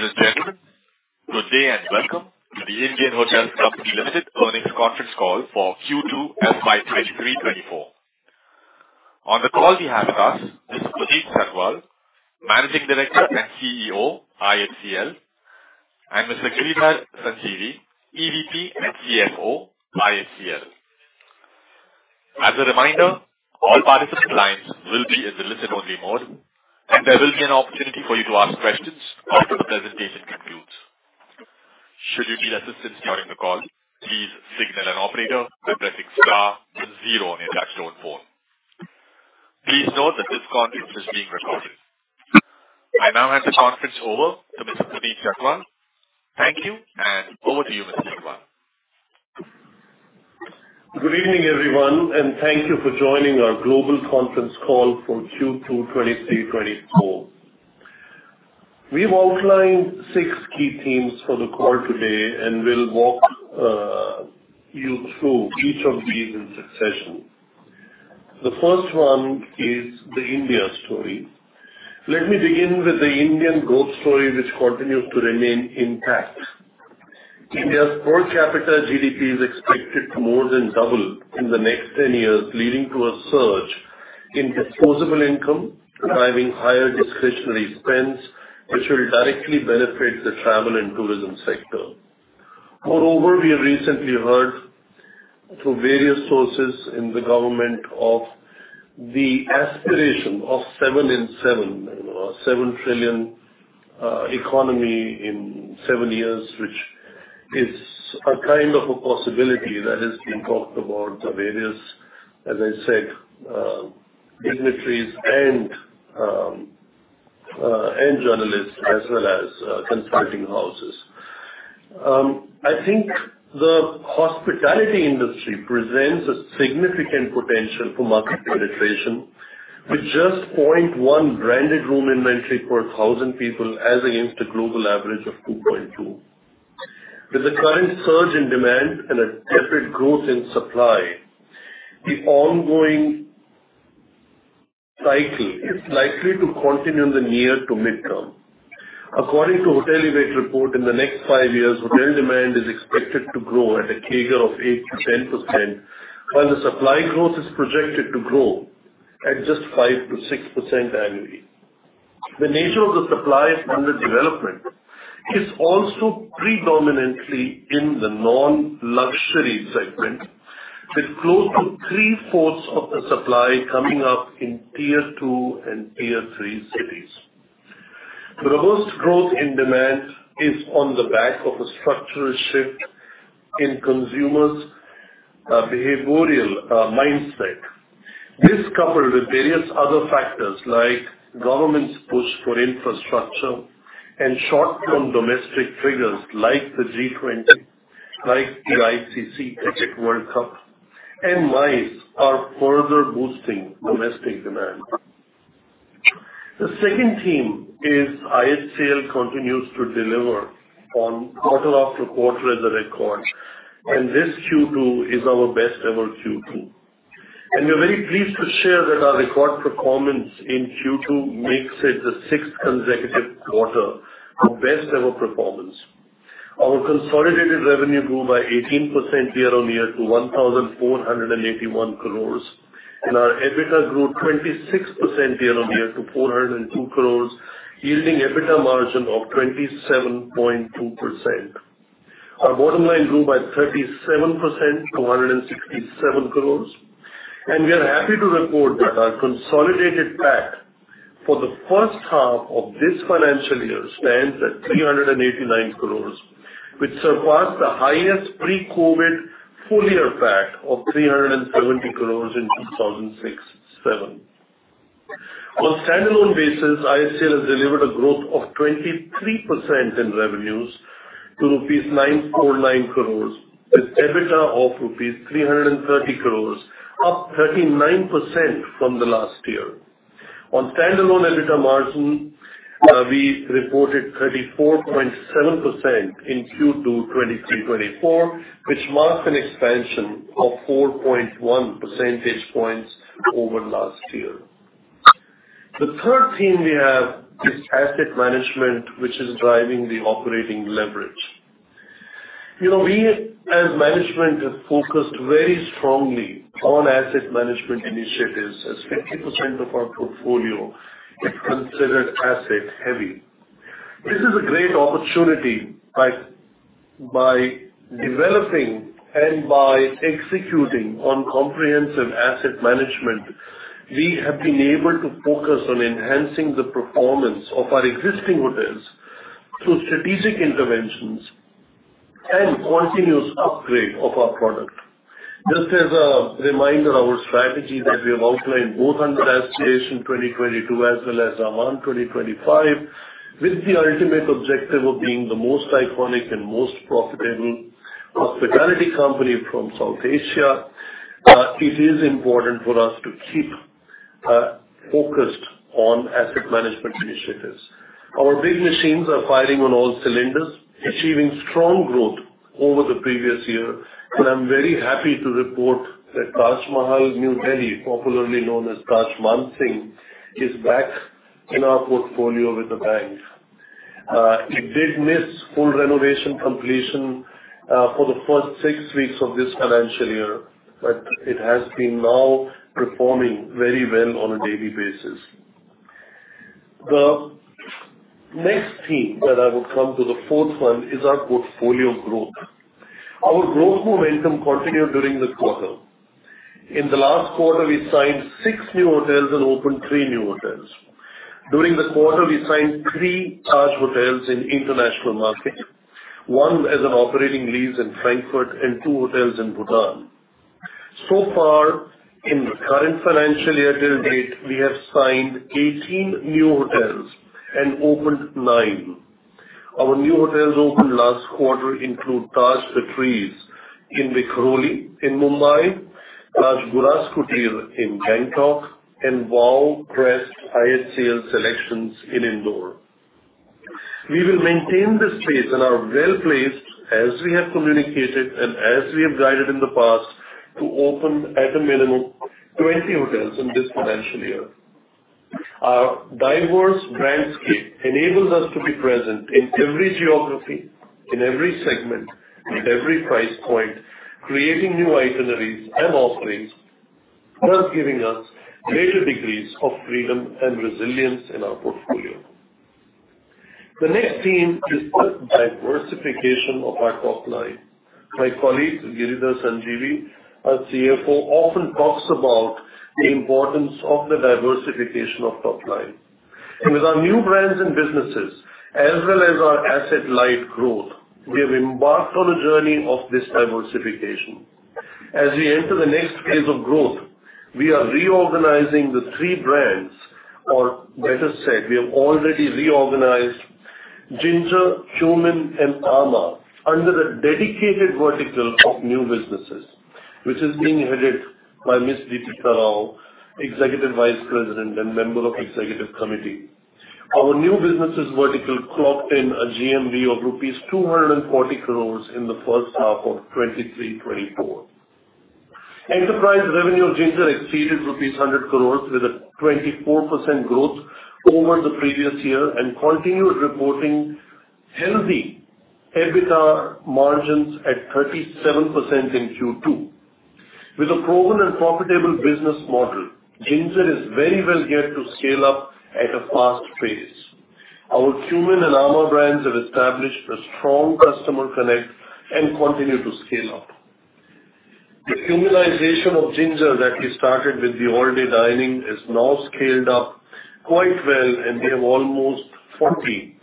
Ladies and gentlemen, good day, and welcome to The Indian Hotels Company Limited earnings conference call for Q2 FY 2023-24. On the call, we have with us Mr. Puneet Chhatwal, Managing Director and CEO, IHCL, and Mr. Giridhar Sanjeevi, Executive Vice President and Chief Financial Officer, IHCL. As a reminder, all participant lines will be in the listen-only mode, and there will be an opportunity for you to ask questions after the presentation concludes. Should you need assistance during the call, please signal an operator by pressing star zero on your touchtone phone. Please note that this conference is being recorded. I now hand the conference over to Mr. Puneet Chhatwal. Thank you, and over to you, Mr. Chhatwal. Good evening, everyone, and thank you for joining our global conference call for Q2 2023-2024. We've outlined six key themes for the call today, and we'll walk you through each of these in succession. The first one is the India story. Let me begin with the Indian growth story, which continues to remain intact. India's per capita GDP is expected to more than double in the next 10 years, leading to a surge in disposable income, driving higher discretionary spends, which will directly benefit the travel and tourism sector. Moreover, we have recently heard from various sources in the government of the aspiration of a 7 trillion economy in 7 years, which is a kind of a possibility that has been talked about by various, as I said, dignitaries and, and journalists as well as, consulting houses. I think the hospitality industry presents a significant potential for market penetration, with just 0.1 branded room inventory per 1,000 people, as against a global average of 2.2. With the current surge in demand and a slower growth in supply, the ongoing cycle is likely to continue in the near to midterm. According to Hotelivate report, in the next five years, hotel demand is expected to grow at a CAGR of 8%-10%, while the supply growth is projected to grow at just 5%-6% annually. The nature of the supply under development is also predominantly in the non-luxury segment, with close to three-fourths of the supply coming up in tier 2 and tier 3 cities. The robust growth in demand is on the back of a structural shift in consumers' behavioral mindset. This, coupled with various other factors like government's push for infrastructure and short-term domestic triggers like the G20, like the ICC Cricket World Cup and MICE, are further boosting domestic demand. The second theme is IHCL continues to deliver on quarter after quarter as a record, and this Q2 is our best ever Q2. And we are very pleased to share that our record performance in Q2 makes it the sixth consecutive quarter of best ever performance. Our consolidated revenue grew by 18% year-on-year to 1,481 crore, and our EBITDA grew 26% year-on-year to 402 crore, yielding EBITDA margin of 27.2%. Our bottom line grew by 37% to 167 crore, and we are happy to report that our consolidated PAT for the first half of this financial year stands at 389 crore, which surpassed the highest pre-COVID full year PAT of 370 crore in 2006-2007. On a standalone basis, IHCL has delivered a growth of 23% in revenues to rupees 9 crore, with EBITDA of rupees 330 crore, up 39% from last year. On standalone EBITDA margin, we reported 34.7% in Q2 2023-2024, which marks an expansion of 4.1 percentage points over last year. The third theme we have is asset management, which is driving the operating leverage. You know, we, as management, have focused very strongly on asset management initiatives, as 50% of our portfolio is considered asset heavy. This is a great opportunity by, by developing and by executing on comprehensive asset management, we have been able to focus on enhancing the performance of our existing hotels through strategic interventions and continuous upgrade of our product. Just as a reminder, our strategy that we have outlined both under Aspiration 2022 as well as Ahvaan 2025, with the ultimate objective of being the most iconic and most profitable hospitality company from South Asia, it is important for us to keep focused on asset management initiatives. Our big machines are firing on all cylinders, achieving strong growth over the previous year, and I'm very happy to report that Taj Mahal New Delhi, popularly known as Taj Mansingh, is back in our portfolio with the bank. It did miss full renovation completion for the first 6 weeks of this financial year, but it has been now performing very well on a daily basis. The next theme that I will come to, the fourth one, is our portfolio growth. Our growth momentum continued during this quarter. In the last quarter, we signed 6 new hotels and opened 3 new hotels. During the quarter, we signed 3 Taj hotels in international markets, 1 as an operating lease in Frankfurt and 2 hotels in Bhutan. So far, in the current financial year to date, we have signed 18 new hotels and opened 9. Our new hotels opened last quarter include Taj The Trees in Vikhroli in Mumbai, Taj Guras Kutir in Gangtok, and Wow Crest IHCL SeleQtions in Indore. We will maintain this pace and are well-placed, as we have communicated and as we have guided in the past, to open at a minimum 20 hotels in this financial year. Our diverse brandscape enables us to be present in every geography, in every segment, at every price point, creating new itineraries and offerings, thus giving us greater degrees of freedom and resilience in our portfolio. The next theme is the diversification of our top line. My colleague, Giridhar Sanjeevi, our CFO, often talks about the importance of the diversification of top line. With our new brands and businesses, as well as our asset-light growth, we have embarked on a journey of this diversification. As we enter the next phase of growth, we are reorganizing the three brands, or better said, we have already reorganized Ginger, Qmin, and amã under a dedicated vertical of new businesses, which is being headed by Ms. Deepika Rao, Executive Vice President and Member of Executive Committee. Our new businesses vertical clocked in a GMV of rupees 240 crores in the first half of 2023-24. Enterprise revenue Ginger exceeded 100 crores, with a 24% growth over the previous year, and continued reporting healthy EBITDA margins at 37% in Q2. With a proven and profitable business model, Ginger is very well geared to scale up at a fast pace. Our Qmin and amã brands have established a strong customer connect and continue to scale up. The evolution of Ginger that we started with the all-day dining is now scaled up quite well, and we have almost 40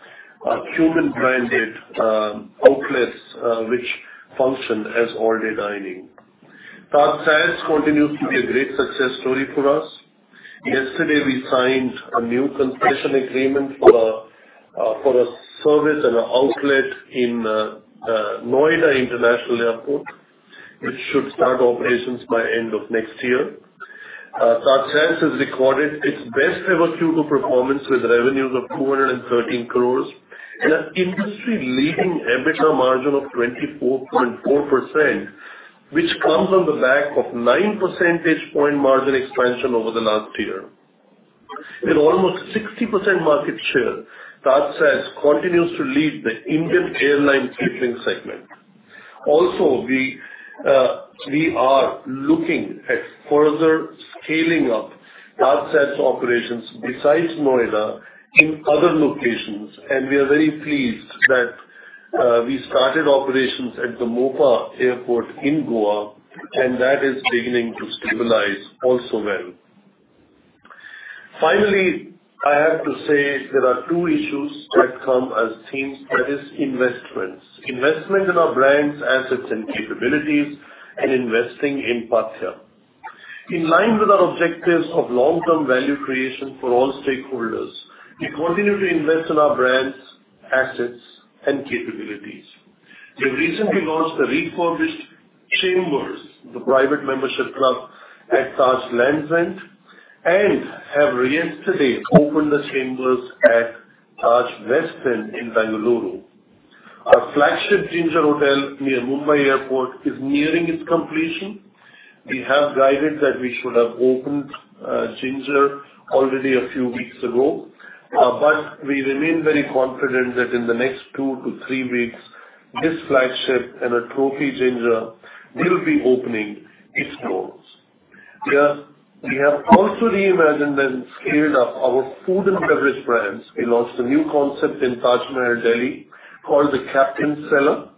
Qmin branded outlets, which function as all-day dining. Taj continues to be a great success story for us. Yesterday, we signed a new concession agreement for a service and an outlet in Noida International Airport, which should start operations by end of next year. TajSATS has recorded its best ever Q2 performance, with revenues of 213 crore and an industry-leading EBITDA margin of 24.4%, which comes on the back of nine percentage point margin expansion over the last year. With almost 60% market share, TajSATS continues to lead the Indian airline catering segment. Also, we are looking at further scaling up TajSATS operations besides Noida in other locations, and we are very pleased that we started operations at the Mopa Airport in Goa, and that is beginning to stabilize also well. Finally, I have to say there are two issues that come as themes, that is investments. Investment in our brands, assets, and capabilities, and investing in Paathya. In line with our objectives of long-term value creation for all stakeholders, we continue to invest in our brands, assets, and capabilities. We recently launched the refurbished Chambers, the private membership club at Taj Lands End, and have yesterday opened the Chambers at Taj West End in Bengaluru. Our flagship Ginger Hotel near Mumbai Airport is nearing its completion. We have guided that we should have opened Ginger already a few weeks ago, but we remain very confident that in the next 2-3 weeks, this flagship and a trophy Ginger will be opening its doors. We have, also reimagined and scaled up our food and beverage brands. We launched a new concept in Taj Mahal, Delhi, called the Captain's Cellar,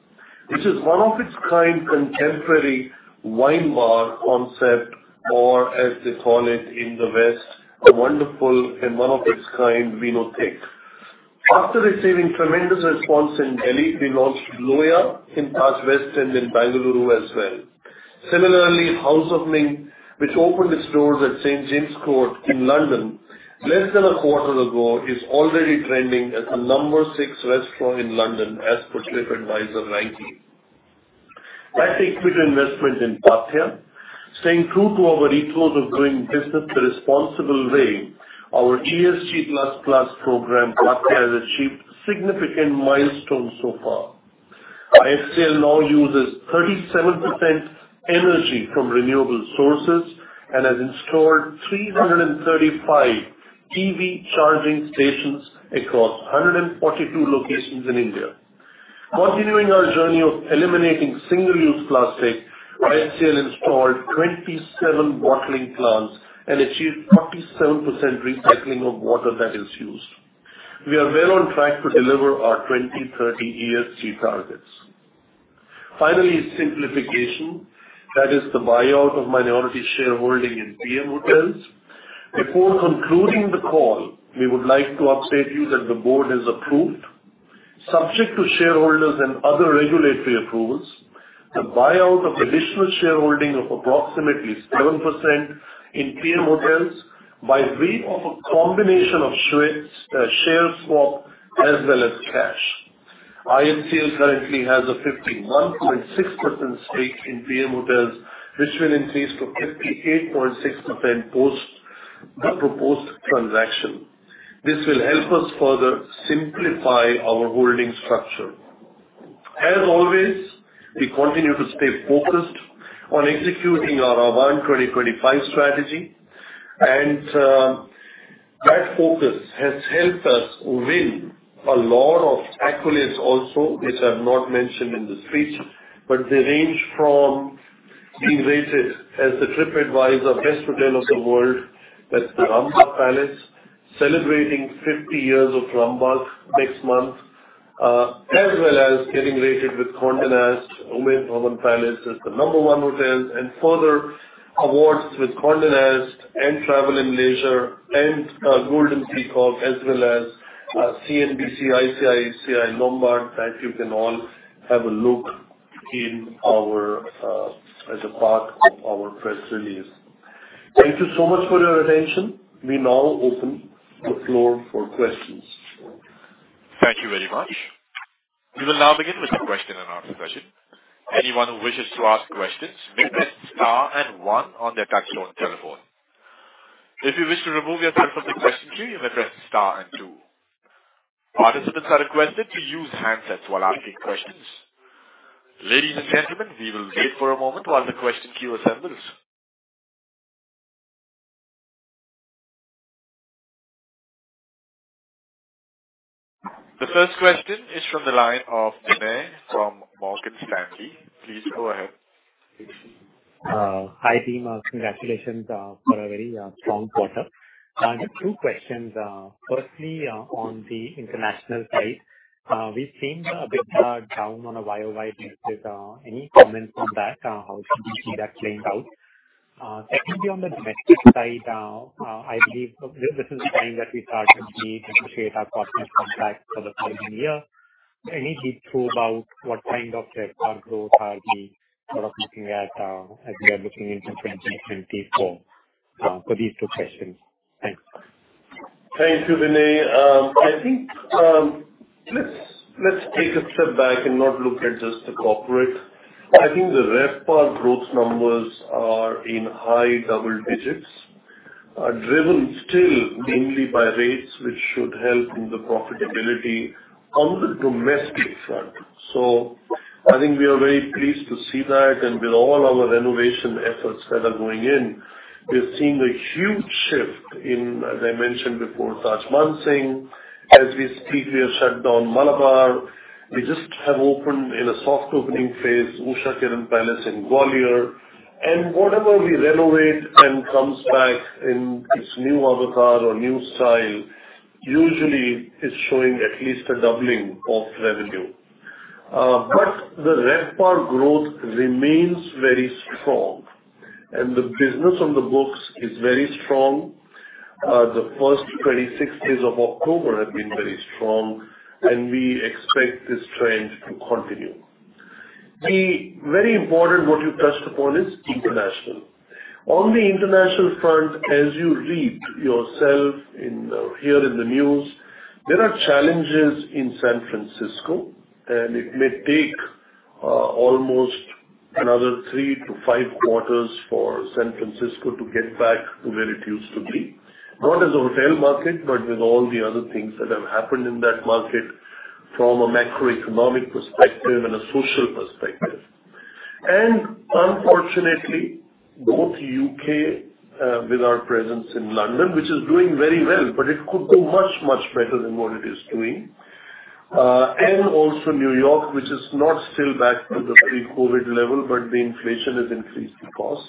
which is one of its kind contemporary wine bar concept, or as they call it in the West, a wonderful and one of its kind vinotheque. After receiving tremendous response in Delhi, we launched Loya in Taj West End in Bengaluru as well. Similarly, House of Ming, which opened its doors at St. James' Court in London less than a quarter ago, is already trending as the number 6 restaurant in London, as per TripAdvisor ranking. I take quick investment in Paathya, staying true to our ethos of doing business the responsible way. Our ESG++ program, Paathya, has achieved significant milestones so far. IHCL now uses 37% energy from renewable sources and has installed 335 EV charging stations across 142 locations in India. Continuing our journey of eliminating single-use plastic, IHCL installed 27 bottling plants and achieved 47% recycling of water that is used. We are well on track to deliver our 2030 ESG targets. Finally, simplification, that is the buyout of minority shareholding in Piem Hotels. Before concluding the call, we would like to update you that the board has approved, subject to shareholders and other regulatory approvals, the buyout of additional shareholding of approximately 7% in Piem Hotels by way of a combination of share swap as well as cash. IHCL currently has a 51.6% stake in Piem Hotels, which will increase to 58.6% post the proposed transaction. This will help us further simplify our holding structure. As always, we continue to stay focused on executing our Ahvaan 2025 strategy, and that focus has helped us win a lot of accolades also, which are not mentioned in the speech, but they range from being rated as the TripAdvisor Best Hotel of the World. That's the Rambagh Palace, celebrating 50 years of Rambagh next month, as well as getting rated with Condé Nast. Umaid Bhawan Palace is the number one hotel and further awards with Condé Nast and Travel + Leisure, and Golden Peacock, as well as CNBC, ICICI Lombard. That you can all have a look in our, as a part of our press release. Thank you so much for your attention. We now open the floor for questions. Thank you very much. We will now begin with the question and answer session. Anyone who wishes to ask questions may press star and one on their touchtone telephone. If you wish to remove yourself from the question queue, you may press star and two. Participants are requested to use handsets while asking questions. Ladies and gentlemen, we will wait for a moment while the question queue assembles. The first question is from the line of Binay from Morgan Stanley. Please go ahead. Hi, team. Congratulations for a very strong quarter. Just two questions. Firstly, on the international side, we've seen a bit down on a YOY basis. Any comments on that? How should we see that playing out? Secondly, on the domestic side, I believe this is the time that we start to appreciate our corporate contract for the following year. Any hints about what kind of RevPAR growth are we sort of looking at, as we are looking into 2024? For these two questions. Thanks. Thank you, Vinay. I think, let's take a step back and not look at just the corporate. I think the RevPAR growth numbers are in high double digits, driven still mainly by rates, which should help in the profitability on the domestic front. So I think we are very pleased to see that. And with all our renovation efforts that are going in, we've seen a huge shift in, as I mentioned before, Taj Mansingh. As we speak, we have shut down Malabar. We just have opened in a soft opening phase, Usha Kiran Palace in Gwalior. And whatever we renovate and comes back in its new avatar or new style, usually is showing at least a doubling of revenue. But the RevPAR growth remains very strong, and the business on the books is very strong. The first 26 days of October have been very strong, and we expect this trend to continue. The very important what you touched upon is international. On the international front, as you read yourself in, here in the news, there are challenges in San Francisco, and it may take almost another 3-5 quarters for San Francisco to get back to where it used to be. Not as a hotel market, but with all the other things that have happened in that market from a macroeconomic perspective and a social perspective. And unfortunately, both U.K., with our presence in London, which is doing very well, but it could do much, much better than what it is doing. And also New York, which is not still back to the pre-COVID level, but the inflation has increased the cost.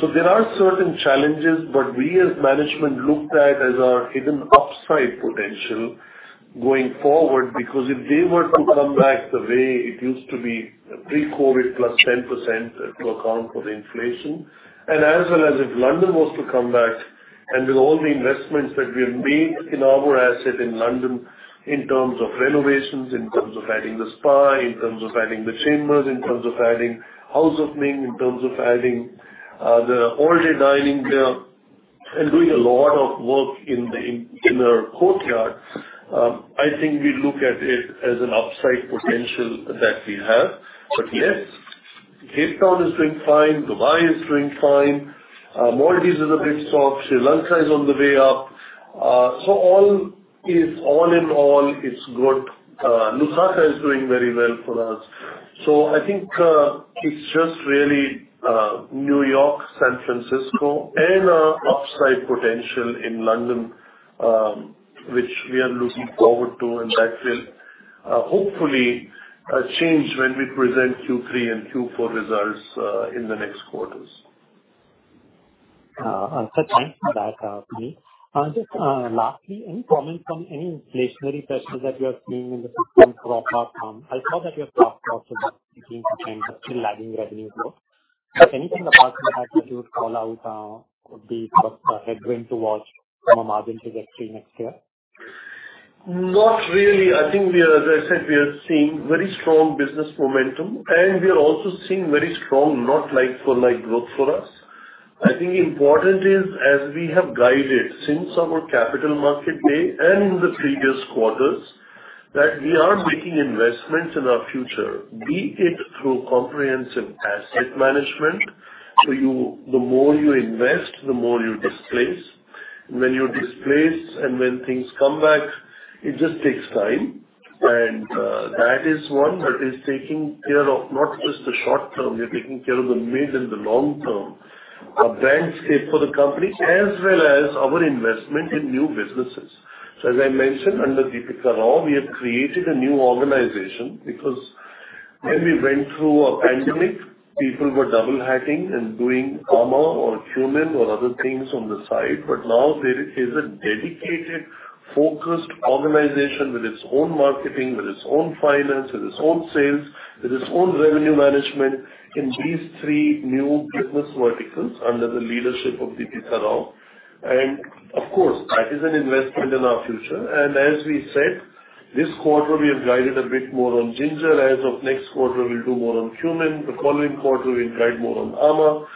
So there are certain challenges, but we as management looked at as our hidden upside potential going forward, because if they were to come back the way it used to be, pre-COVID plus 10% to account for the inflation, and as well as if London was to come back, and with all the investments that we have made in our asset in London, in terms of renovations, in terms of adding the spa, in terms of adding the Chambers, in terms of adding House of Ming, in terms of adding the all-day dining there. and doing a lot of work in the, in, in our courtyard. I think we look at it as an upside potential that we have. But yes, Cape Town is doing fine, Dubai is doing fine, Maldives is a bit soft, Sri Lanka is on the way up. So all in all, it's good. Lusaka is doing very well for us. So I think it's just really New York, San Francisco, and upside potential in London, which we are looking forward to, and that will hopefully change when we present Q3 and Q4 results in the next quarters. Sir, thanks for that, Vineet. And just lastly, any comment from any inflationary pressures that you are seeing in the system across. I saw that you have talked also about between still lagging revenue growth. But anything apart from that which you would call out, would be what a headwind to watch from a margin trajectory next year? Not really. I think we are, as I said, we are seeing very strong business momentum, and we are also seeing very strong, not like-for-like growth for us. I think important is, as we have guided since our capital market day and in the previous quarters, that we are making investments in our future, be it through comprehensive asset management. So you, the more you invest, the more you displace. When you displace and when things come back, it just takes time. And, that is one that is taking care of not just the short term, we are taking care of the mid and the long term, brandscape for the company, as well as our investment in new businesses. So as I mentioned, under Deepika Rao, we have created a new organization, because when we went through a pandemic, people were double-hatting and doing Ama or Qmin or other things on the side. But now there is a dedicated, focused organization with its own marketing, with its own finance, with its own sales, with its own revenue management in these three new business verticals under the leadership of Deepika Rao. And of course, that is an investment in our future. And as we said, this quarter, we have guided a bit more on Ginger. As of next quarter, we'll do more on Qmin. The following quarter, we'll guide more on Ama,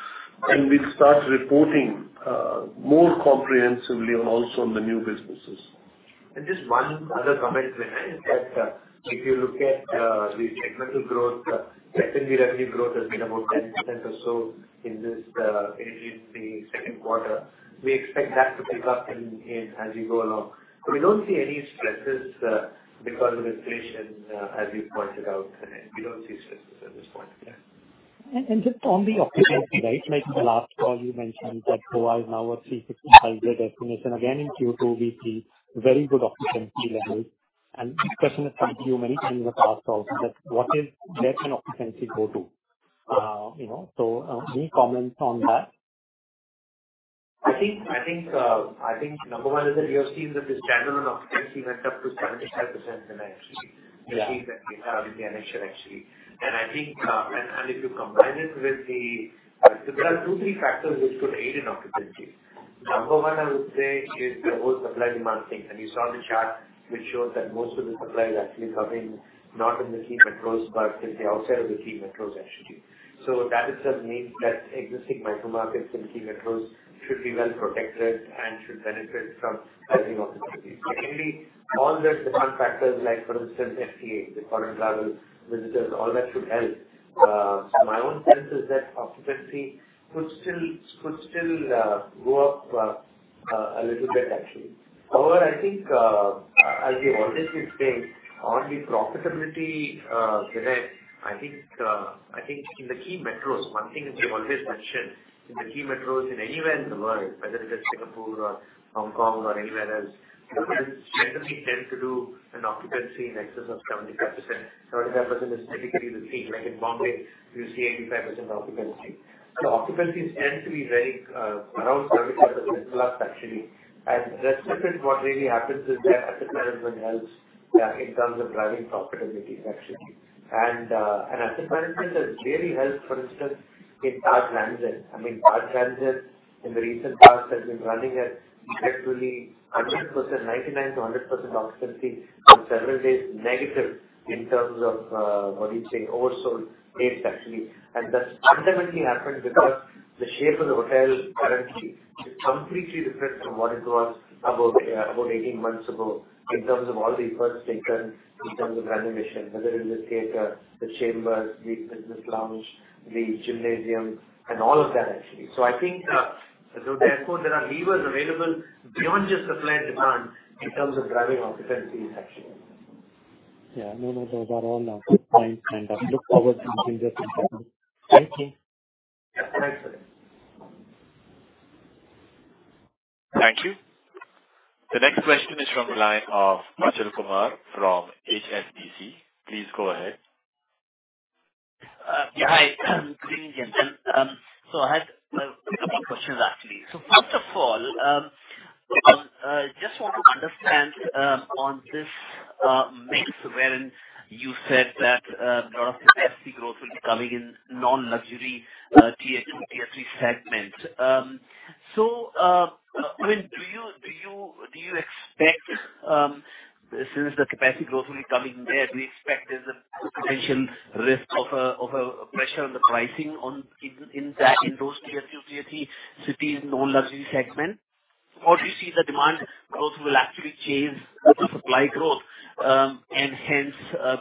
and we'll start reporting more comprehensively on also on the new businesses. And just one other comment, Vineet, that, if you look at, the incremental growth, secondly, revenue growth has been about 10% or so in this, in the Q2. We expect that to pick up in, in as we go along. So we don't see any stresses, because of inflation, as you pointed out, we don't see stresses at this point in time. Just on the occupancy rate, like in the last call, you mentioned that GoI is now a 365-day destination. Again, in Q2, we see very good occupancy levels. And this question has come to you many times you were asked also, that what is next on occupancy GoTo? You know, so, any comments on that? I think number one is that you have seen that the standalone occupancy went up to 75% that actually. Yeah. In the initial, actually. And I think, and, and if you combine it with the. There are two, three factors which could aid in occupancy. Number one, I would say, is the whole supply-demand thing. And you saw the chart, which shows that most of the supply is actually coming not in the key metros, but in the outside of the key metros, actually. So that just means that existing micro markets in key metros should be well protected and should benefit from rising occupancy. Secondly, all the demand factors, like, for instance, FTA, the foreign travel, visitors, all that should help. So my own sense is that occupancy could still, could still, go up, a little bit, actually. However, I think, as we have always been saying, on the profitability, Vineet, I think, I think in the key metros, one thing that we've always mentioned, in the key metros anywhere in the world, whether it is Singapore or Hong Kong or anywhere else, you know, we generally tend to do an occupancy in excess of 75%. 75% is typically the fee. Like in Bombay, you see 85% occupancy. So occupancies tend to be very, around 70% plus, actually. And the rest of it, what really happens is that asset management helps, in terms of driving profitability, actually. And, and asset management has really helped, for instance, in Taj Lands End. I mean, Taj Lands End in the recent past has been running at effectively 100%, 99%-100% occupancy on several days, negative in terms of what do you say? Oversold rates, actually. And that fundamentally happened because the shape of the hotel currently is completely different from what it was about 18 months ago, in terms of all the efforts taken, in terms of renovation, whether it is the theater, the Chambers, the business lounge, the gymnasium, and all of that, actually. So I think, so therefore, there are levers available beyond just supply and demand in terms of driving occupancies, actually. Yeah, no, no, those are all good points, and I look forward to seeing this in person. Thank you. Yeah, thanks, sir. Thank you. The next question is from the line of Achal Kumar from HSBC. Please go ahead. Yeah. Hi, good evening, gentlemen. So I had a couple questions, actually. So first of all, I just want to understand on this mix wherein you said that lot of the FC growth will be coming in non-luxury tier two, tier three segment. So, I mean, do you expect, since the capacity growth will be coming there, do you expect there's a potential risk of a pressure on the pricing in those tier two, tier three cities, non-luxury segment? Or do you see the demand growth will actually chase the supply growth, and hence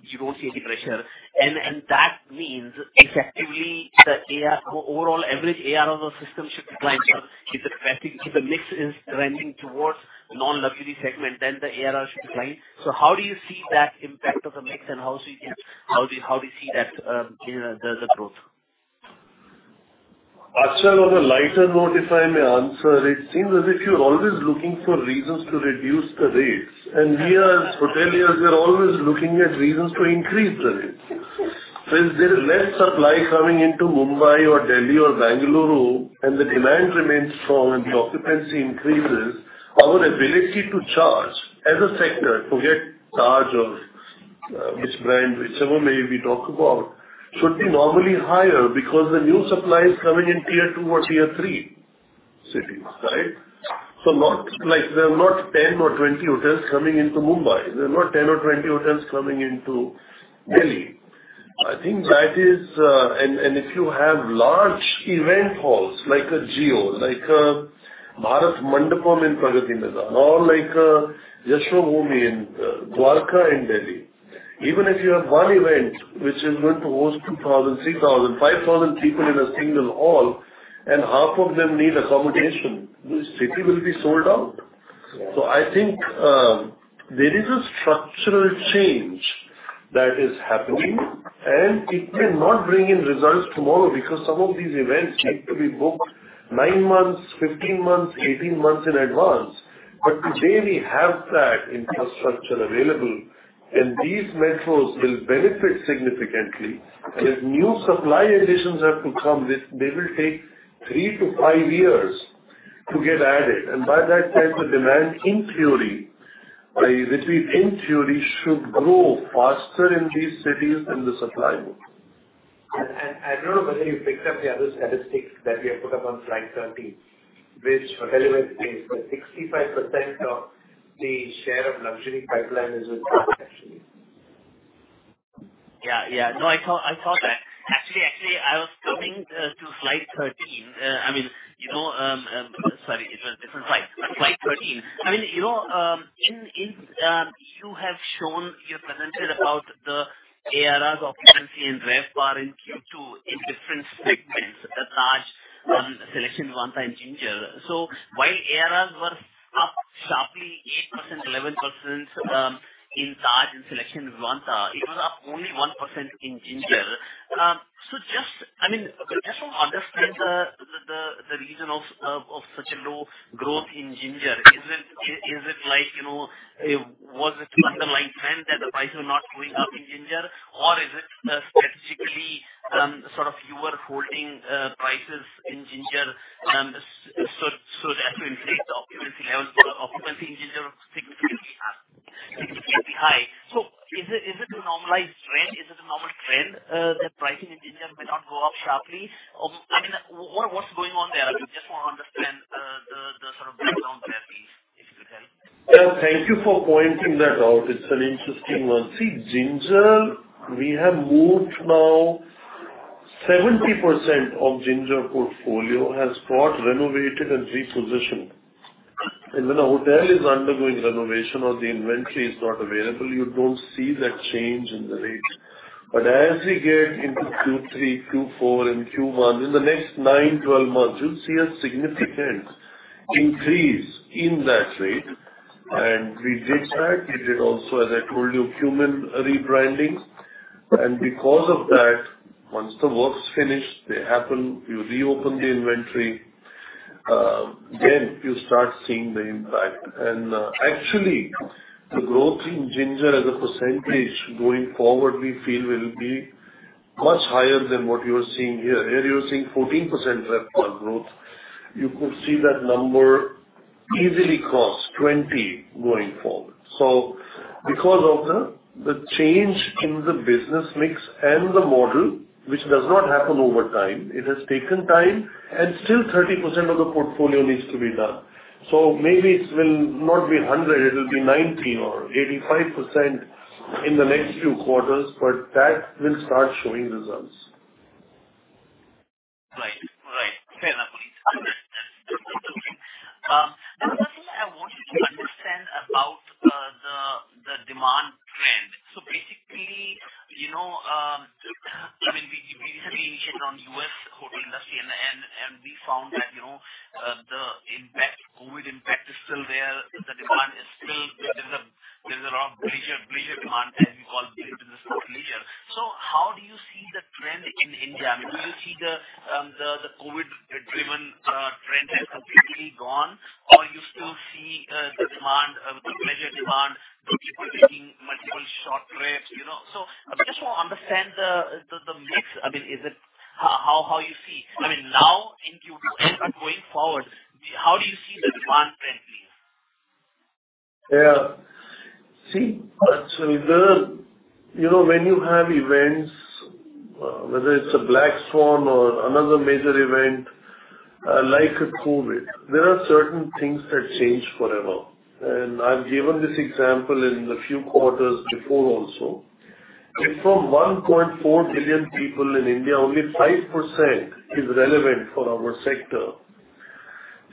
you don't see any pressure. And that means effectively the overall average ARR of the system should decline. So if the traffic, if the mix is trending towards non-luxury segment, then the ARR should decline. So how do you see that impact of the mix and how do you see that in the growth? Achal, on a lighter note, if I may answer, it seems as if you're always looking for reasons to reduce the rates, and we as hoteliers are always looking at reasons to increase the rates. So if there is less supply coming into Mumbai or Delhi or Bengaluru, and the demand remains strong and the occupancy increases, our ability to charge as a sector, forget Taj or which brand, whichever may we talk about, should be normally higher because the new supply is coming in tier two or tier three cities, right? So not like there are not 10 or 20 hotels coming up in Mumbai. There are not 10 or 20 hotels coming up in Delhi. I think that is. And if you have large event halls like a Jio, like a Bharat Mandapam in Pragati Maidan, or like a Yashobhoomi in Dwarka in Delhi. Even if you have one event which is going to host 2,000, 3,000, 5,000 people in a single hall, and half of them need accommodation, the city will be sold out. So I think, there is a structural change that is happening, and it may not bring in results tomorrow because some of these events need to be booked 9 months, 15 months, 18 months in advance. But today we have that infrastructure available, and these metros will benefit significantly. If new supply additions have to come, they will take 3-5 years to get added, and by that time, the demand, in theory, I repeat, in theory, should grow faster in these cities than the supply will. I don't know whether you picked up the other statistics that we have put up on slide 13, which relevant is that 65% of the share of luxury pipeline is with Taj, actually. Yeah, yeah. No, I saw, I saw that. Actually, I was coming to slide 13. I mean, you know, sorry, it was a different slide, but slide 13. I mean, you know, in, in, you have shown, you've presented about the ARRs, occupancy, and RevPAR in Q2 in different segments, Taj, SeleQtions, Vivanta, and Ginger. So while ARRs were up sharply, 8%, 11%, in Taj and SeleQtions, Vivanta, it was up only 1% in Ginger. So just, I mean, just to understand the reason of such a low growth in Ginger, is it, is it like, you know, was it an underlying trend that the prices are not going up in Ginger? Or is it strategically sort of you are holding prices in Ginger so that to inflate the occupancy levels or occupancy in Ginger will significantly, significantly high? So is it a normalized trend? Is it a normal trend that pricing in Ginger may not go up sharply? Or, I mean, what, what's going on there? I just want to understand the sort of breakdown there, please, if you could help. Thank you for pointing that out. It's an interesting one. See, Ginger, we have moved now 70% of Ginger portfolio has got renovated and repositioned. When a hotel is undergoing renovation or the inventory is not available, you don't see that change in the rates. As we get into Q3, Q4, and Q1, in the next 9-12 months, you'll see a significant increase in that rate. We did that. We did also, as I told you, human rebranding. Because of that, once the work's finished, they happen, you reopen the inventory, you start seeing the impact. Actually, the growth in Ginger as a percentage going forward, we feel will be much higher than what you are seeing here. Here you're seeing 14% RevPAR growth. You could see that number easily cross 20% going forward. So because of the change in the business mix and the model, which does not happen over time, it has taken time, and still 30% of the portfolio needs to be done. So maybe it will not be 100%, it will be 90% or 85% in the next few quarters, but that will start showing results. Right. Right. Fair enough. I understand. Another thing I wanted to understand about the demand trend. So basically, you know, when we recently checked on U.S. hotel industry and we found that, you know, the impact, COVID impact is still there. The demand is still. There's a strong leisure demand, as we call business or leisure. So how do you see the trend in India? I mean, do you see the COVID-driven trend has completely gone, or you still see the demand, the leisure demand for people taking multiple short trips, you know? So I just want to understand the mix. I mean, is it how you see? I mean, now in Q2 and going forward, how do you see the demand trend being? Yeah. See, actually, you know, when you have events, whether it's a black swan or another major event, like a COVID, there are certain things that change forever. I've given this example in the few quarters before also. If from 1.4 billion people in India, only 5% is relevant for our sector,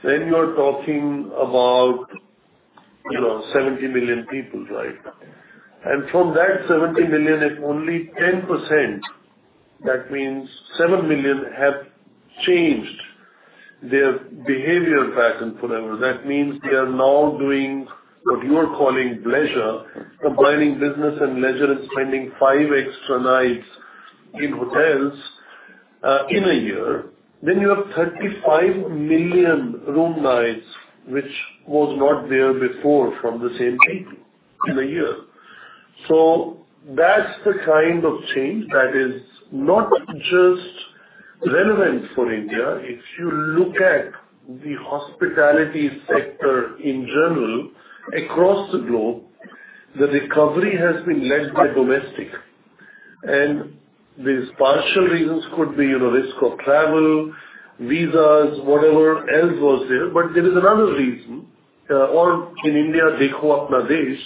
then you're talking about, you know, 70 million people, right? From that 70 million, if only 10%, that means 7 million, have changed their behavior pattern forever. That means they are now doing what you are calling leisure, combining business and leisure, and spending 5 extra nights in hotels in a year, then you have 35 million room nights, which was not there before from the same people in a year. That's the kind of change that is not just relevant for India. If you look at the hospitality sector in general across the globe, the recovery has been led by domestic. And these partial reasons could be, you know, risk of travel, visas, whatever else was there. But there is another reason, or in India, Dekho Apna Desh.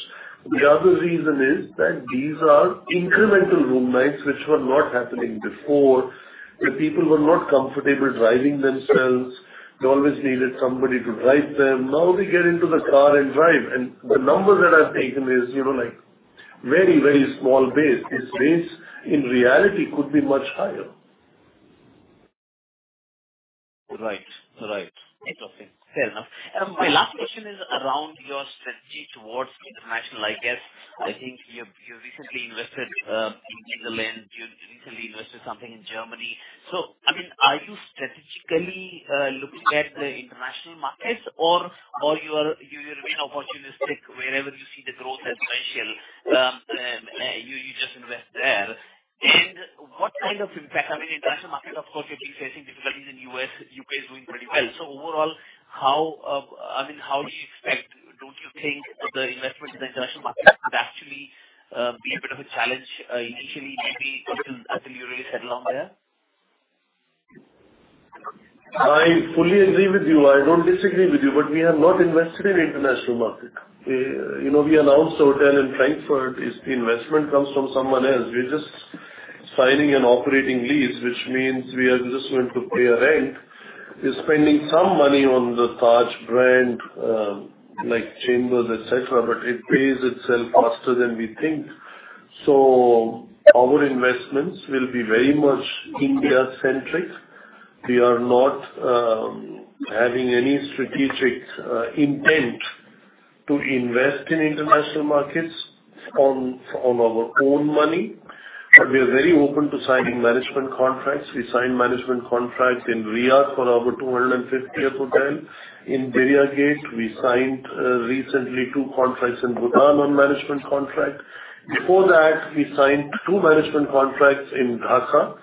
The other reason is that these are incremental room nights, which were not happening before. The people were not comfortable driving themselves. They always needed somebody to drive them. Now they get into the car and drive, and the number that I've taken is, you know, like, very, small base. This base, in reality, could be much higher. Right. Right. Okay, fair enough. My last question is around your strategy towards international. I guess, I think you, you recently invested in England, you recently invested something in Germany. So, I mean, are you strategically looking at the international markets or, or you are, you, you're being opportunistic wherever you see the growth potential, you, you just invest there? And what kind of impact, I mean, international market, of course, you're facing difficulties in U.S. U.K. is doing pretty well. So overall, how, I mean, how do you expect. Do you think the investment in the international market could actually be a bit of a challenge initially, maybe until, until you really settle down there? I fully agree with you. I don't disagree with you, but we have not invested in international market. You know, we announced a hotel in Frankfurt, is the investment comes from someone else. We're just signing an operating lease, which means we are just going to pay a rent. We're spending some money on the Taj brand, like, Chambers, et cetera, but it pays itself faster than we think. So our investments will be very much India-centric. We are not, having any strategic, intent to invest in international markets on, on our own money, but we are very open to signing management contracts. We signed management contracts in Riyadh for our 250th hotel. In Diriyah Gate, we signed, recently two contracts in Bhutan on management contract. Before that, we signed 2 management contracts in Dhaka,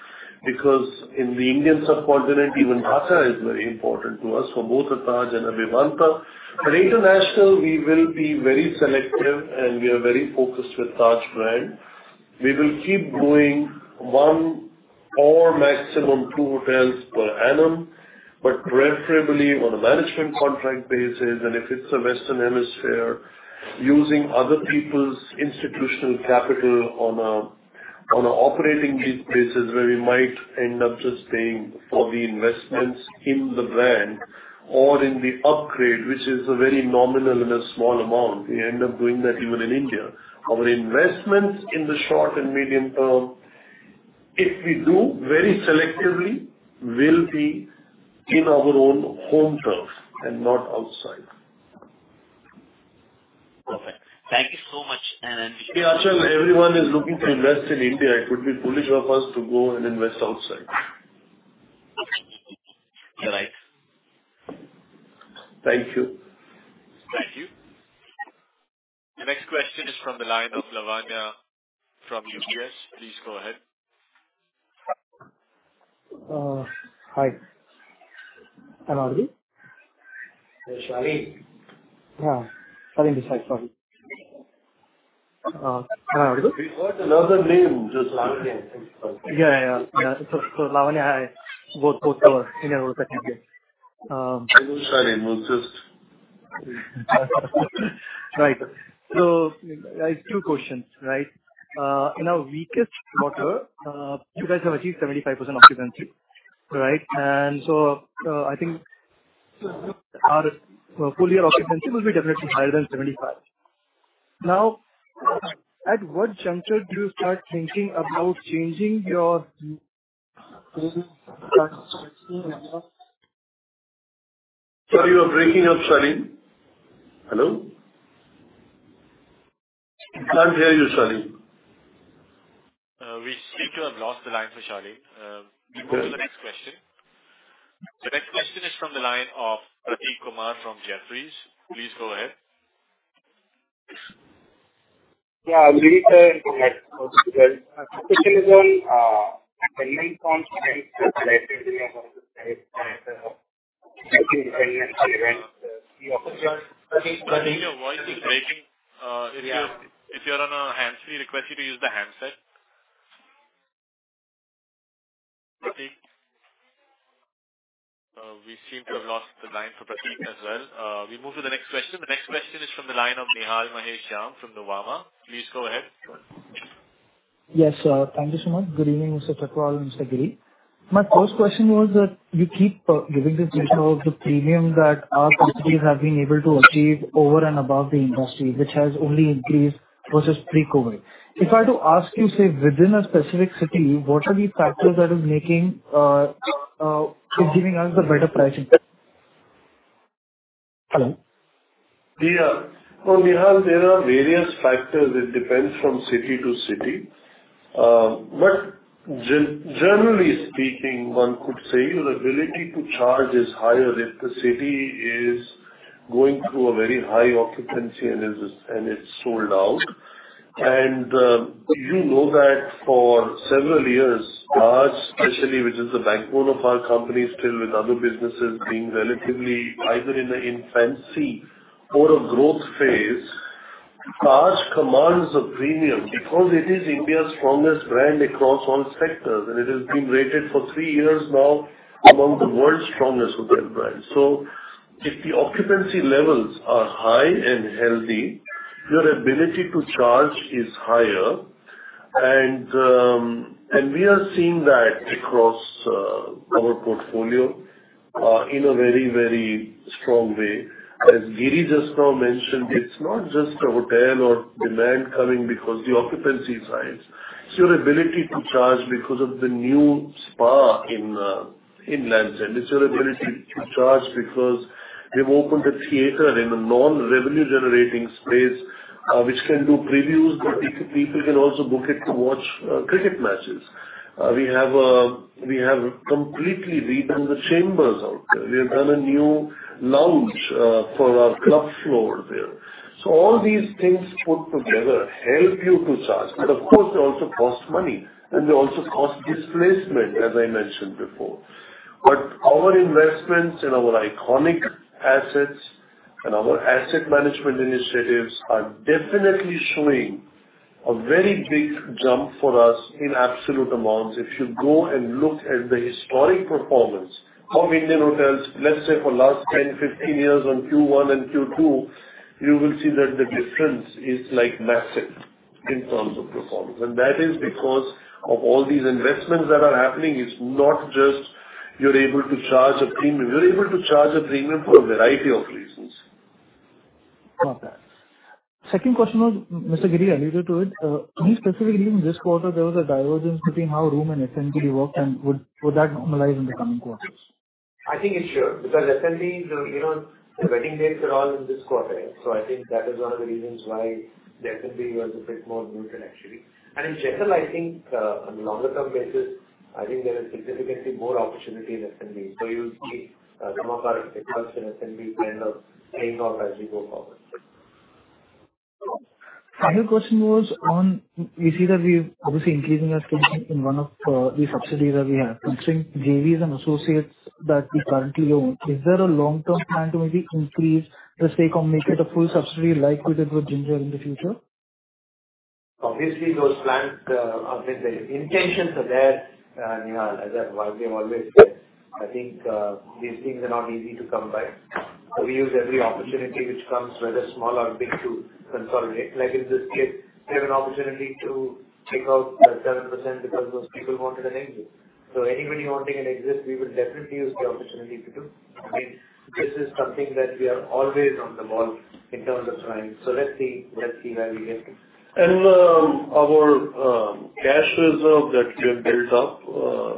because in the Indian subcontinent, even Dhaka is very important to us for both the Taj and Vivanta. But international, we will be very selective, and we are very focused with Taj brand. We will keep going 1 or maximum 2 hotels per annum, but preferably on a management contract basis, and if it's a western hemisphere, using other people's institutional capital on a operating lease basis, where we might end up just paying for the investments in the brand or in the upgrade, which is a very nominal and a small amount. We end up doing that even in India. Our investments in the short and medium term, if we do very selectively, will be in our own home turf and not outside. Perfect. Thank you so much, and- Yeah, actually, everyone is looking to invest in India. It would be foolish of us to go and invest outside. You're right. Thank you. Thank you. The next question is from the line of Lavanya from UBS. Please go ahead. Hi. Am I audible? Shalin? Yeah. Shalin Desai, sorry. Hi, how are you? We got another name, just Lavanya. Yeah, yeah, yeah. So, Lavanya, I go to India with. Shalin, we'll just. Right. So I have two questions, right? In our weakest quarter, you guys have achieved 75% occupancy, right? And so, I think our full year occupancy will be definitely higher than 75. Now, at what juncture do you start thinking about changing your- Sorry, you are breaking up, Shalin. Hello? I can't hear you, Shalin. We seem to have lost the line for Shalin. We'll go to the next question. The next question is from the line of Prateek Kumar from Jefferies. Please go ahead. Yeah, good evening. My question is on, maintenance contracts with respect to the. Your voice is breaking. If you're, if you're on a hands-free, we request you to use the handset. Prateek? We seem to have lost the line for Prateek as well. We move to the next question. The next question is from the line of Nihal Mahesh Jham from Nuvama. Please go ahead. Yes, thank you so much. Good evening, Mr. Chhatwal and Mr. Sanjeevi. My first question was that you keep giving the picture of the premium that our companies have been able to achieve over and above the industry, which has only increased versus pre-COVID. If I were to ask you, say, within a specific city, what are the factors that are making giving us a better pricing? Hello? Yeah. So Nihal, there are various factors. It depends from city to city. But generally speaking, one could say your ability to charge is higher if the city is going through a very high occupancy and is, and it's sold out. And you know that for several years, Taj, especially, which is the backbone of our company, still with other businesses being relatively either in the infancy or a growth phase, Taj commands a premium because it is India's strongest brand across all sectors, and it has been rated for three years now among the world's strongest hotel brands. So if the occupancy levels are high and healthy, your ability to charge is higher. And we are seeing that across our portfolio in a very, strong way. As Giridhar just now mentioned, it's not just a hotel or demand coming because the occupancy is high. It's your ability to charge because of the new spa in Lands End. It's your ability to charge because we've opened a theater in a non-revenue generating space, which can do previews, but people can also book it to watch cricket matches. We have completely redone the Chambers out there. We have done a new lounge for our club floor there. So all these things put together help you to charge, but of course, they also cost money, and they also cost displacement, as I mentioned before. But our investments in our iconic assets and our asset management initiatives are definitely showing a very big jump for us in absolute amounts. If you go and look at the historic performance of Indian hotels, let's say for last 10, 15 years on Q1 and Q2, you will see that the difference is, like, massive in terms of performance. That is because of all these investments that are happening. It's not just you're able to charge a premium. You're able to charge a premium for a variety of reasons. Got that. Second question was, Mr. Giridhar alluded to it. Do you specifically believe in this quarter there was a divergence between how room and F&B worked, and would that normalize in the coming quarters? I think it should, because F&B, you know, the wedding dates are all in this quarter. So I think that is one of the reasons why the F&B was a bit more muted, actually. And in general, I think, on a longer term basis, I think there is significantly more opportunity in F&B. So you'll see, some of our results in F&B kind of playing out as we go forward. My other question was on. We see that we're obviously increasing our stake in one of the subsidiaries that we have, considering JVs and associates that we currently own. Is there a long-term plan to maybe increase the stake or make it a full subsidiary, like we did with Ginger in the future? Obviously, those plans are there. The intentions are there, Nihal, as I've always said. I think these things are not easy to come by. So we use every opportunity which comes, whether small or big, to consolidate. Like in this case, we have an opportunity to take out 7% because those people wanted an exit. So anybody wanting an exit, we will definitely use the opportunity to do. I mean, this is something that we are always on the ball in terms of trying. So let's see, let's see where we get to. Our cash reserve that we have built up,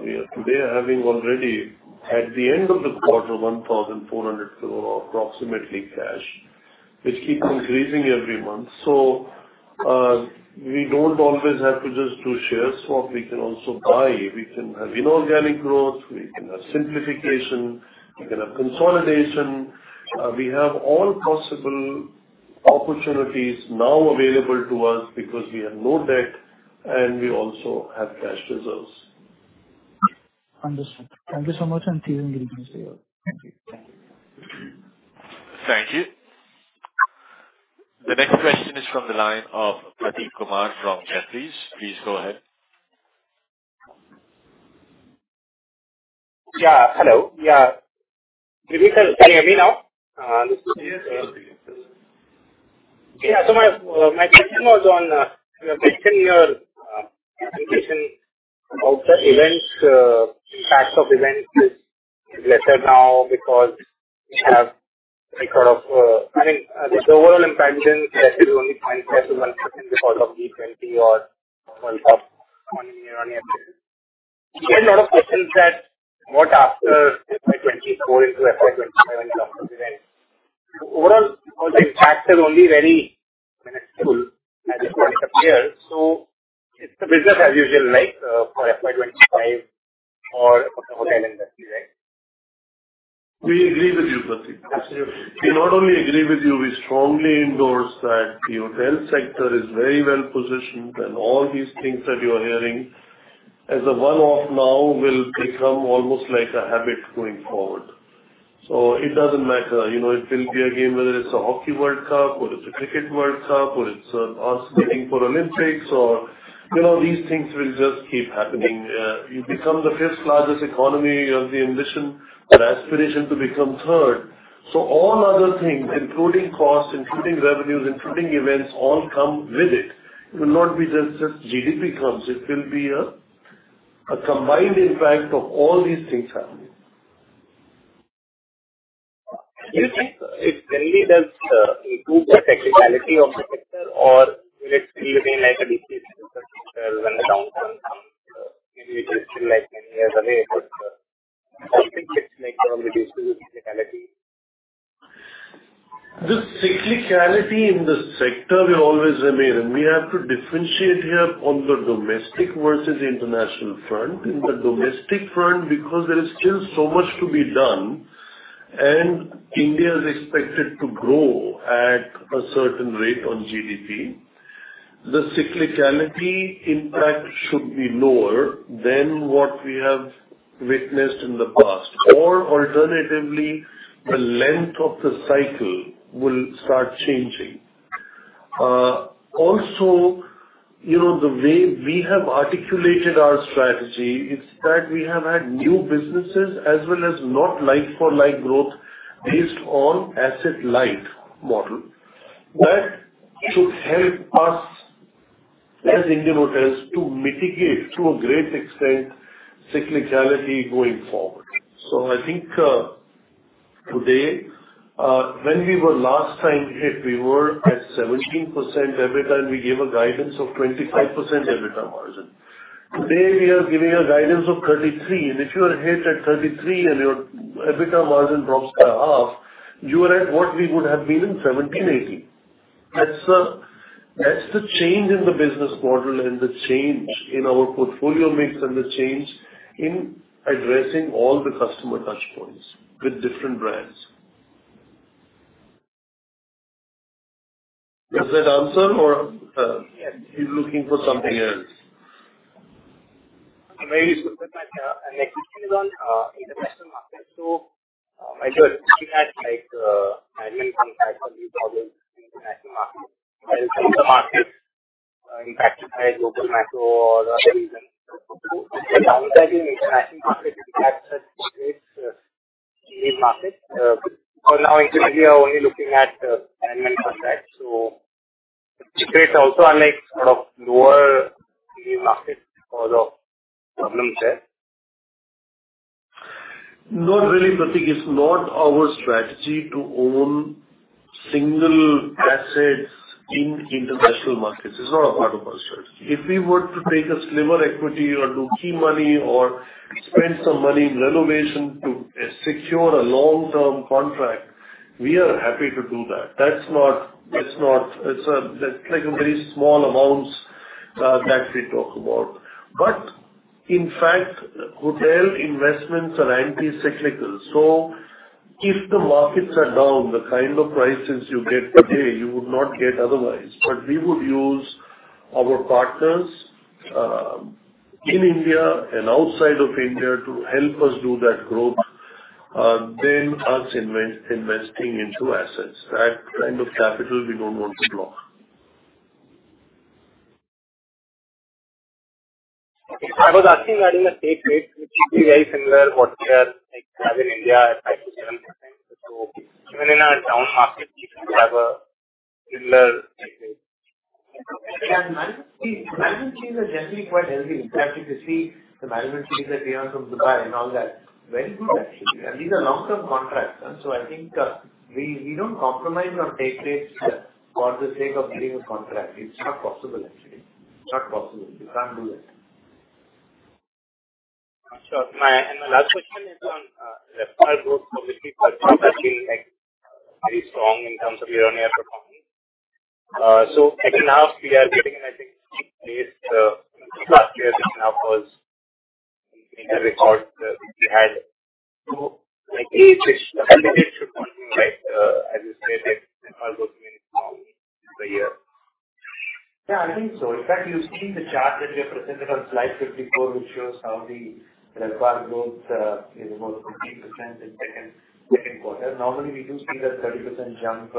we are today having already at the end of the quarter, 1,400 crore, approximately, cash, which keeps increasing every month. So, we don't always have to just do share swap. We can also buy, we can have inorganic growth, we can have simplification, we can have consolidation. We have all possible opportunities now available to us because we have no debt and we also have cash reserves. Understood. Thank you so much, and good evening to you. Thank you. Thank you. The next question is from the line of Prateek Kumar from Jefferies. Please go ahead. Hello, Prateek, can you hear me now? Yes. So my question was on, you mentioned in your presentation about the events, impact of events is lesser now because we have like, the overall impact is less than only 0.5%-1% because of G20 or one-off year-on-year. We had a lot of questions that what after FY 2024 into FY 2025 in terms of events. Overall, because the impacts are only very minuscule, I just want to clear, so it's the business as usual, like, for FY 2025 or for the hotel industry, right? We agree with you, Prateek. Absolutely. We not only agree with you, we strongly endorse that the hotel sector is very well positioned, and all these things that you are hearing as a one-off now will become almost like a habit going forward. So it doesn't matter, you know, it will be again, whether it's a hockey World Cup or it's a cricket World Cup, or it's asking for Olympics or, you know, these things will just keep happening. You become the fifth largest economy of the ambition and aspiration to become third. So all other things, including costs, including revenues, including events, all come with it. It will not be just just GDP comes. It will be a combined impact of all these things happening. Do you think it really does improve the cyclicality of the sector, or will it still remain like a decrease when the downturn comes? Maybe it will feel like many years away, but do you think it's like reducing cyclicality? The cyclicality in the sector will always remain, and we have to differentiate here on the domestic versus the international front. In the domestic front, because there is still so much to be done and India is expected to grow at a certain rate on GDP, the cyclicality impact should be lower than what we have witnessed in the past. Or alternatively, the length of the cycle will start changing. Also, you know, the way we have articulated our strategy is that we have had new businesses as well as not like-for-like growth based on asset-light model. That should help us as Indian Hotels to mitigate, to a great extent, cyclicality going forward. So I think, today, when we were last time hit, we were at 17% EBITDA, and we gave a guidance of 25% EBITDA margin. Today, we are giving a guidance of 33, and if you are hit at 33 and your EBITDA margin drops by half, you are at what we would have been in 2017, 2018. That's the, that's the change in the business model and the change in our portfolio mix and the change in addressing all the customer touch points with different brands. Does that answer or, Yes. You're looking for something else? Very useful. My, my next question is on international markets. So, I heard you had, like, management contracts and problems in international markets, while some markets impacted by global macro or other reasons. So the downsizing international market impact such markets, for now, actually, you're only looking at management contracts. So it creates also unlike sort of lower yield markets because of problems there? Not really, Prateek. It's not our strategy to own single assets in international markets. It's not a part of our strategy. If we were to take a slimmer equity or do key money or spend some money in renovation to secure a long-term contract, we are happy to do that. That's not. It's a, that's like a very small amounts that we talk about. But in fact, hotel investments are anti-cyclical, so if the markets are down, the kind of prices you get today, you would not get otherwise. But we would use our partners in India and outside of India to help us do that growth than us invest, investing into assets. That kind of capital we don't want to block. I was asking that in the state rate, which is very similar what we have in India, 5%-7%. So even in a down market, we should have a similar effect. Yeah, management fees, management fees are generally quite healthy. In fact, if you see the management fees that we have from Dubai and all that, very good, actually. And these are long-term contracts, and so I think, we, we don't compromise on take rates for the sake of getting a contract. It's not possible, actually. It's not possible. You can't do that. Sure. My last question is on referral growth, which is actually, like, very strong in terms of year-on-year performance. So at Neu, we are getting, I think, plus last year, Neu was a record. We had 28, which should continue, like, as you say, like per year. I think so. In fact, you've seen the chart that we have presented on slide 54, which shows how the referral growth is about 15% in Q2. Normally, we do see that 30% jump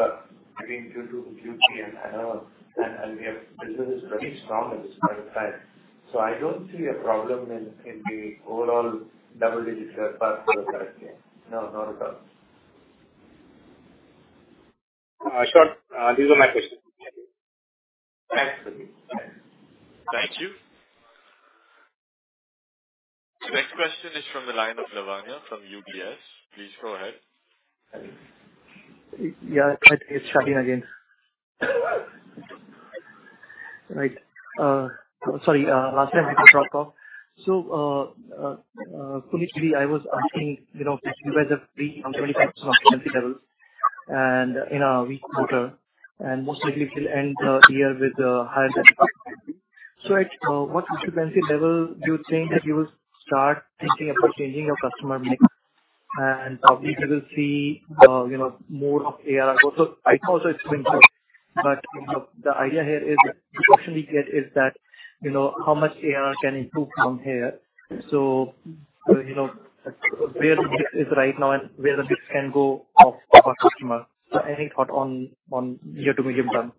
between Q2 to Q3 and we have business is very strong at this point in time. So I don't see a problem in the overall double-digit referral growth last year. No, not at all. Sure. These are my questions. Thank you. Thank you. The next question is from the line of Shalin from UBS. Please go ahead. Yeah, it's Shalin again. Right, sorry, last time I got dropped off. So, initially, I was asking, you know, if you were the peer on 20% occupancy levels and in a weak quarter, and most likely we'll end the year with a higher occupancy. So at what occupancy level do you think that you will start thinking about changing your customer mix? And we will see, you know, more of ARR. Also, I think also it's been good, but, you know, the idea here is the question we get is that, you know, how much ARR can improve from here? So, you know, where the base is right now and where the base can go off of our customer. So any thought on year-to-date you've done?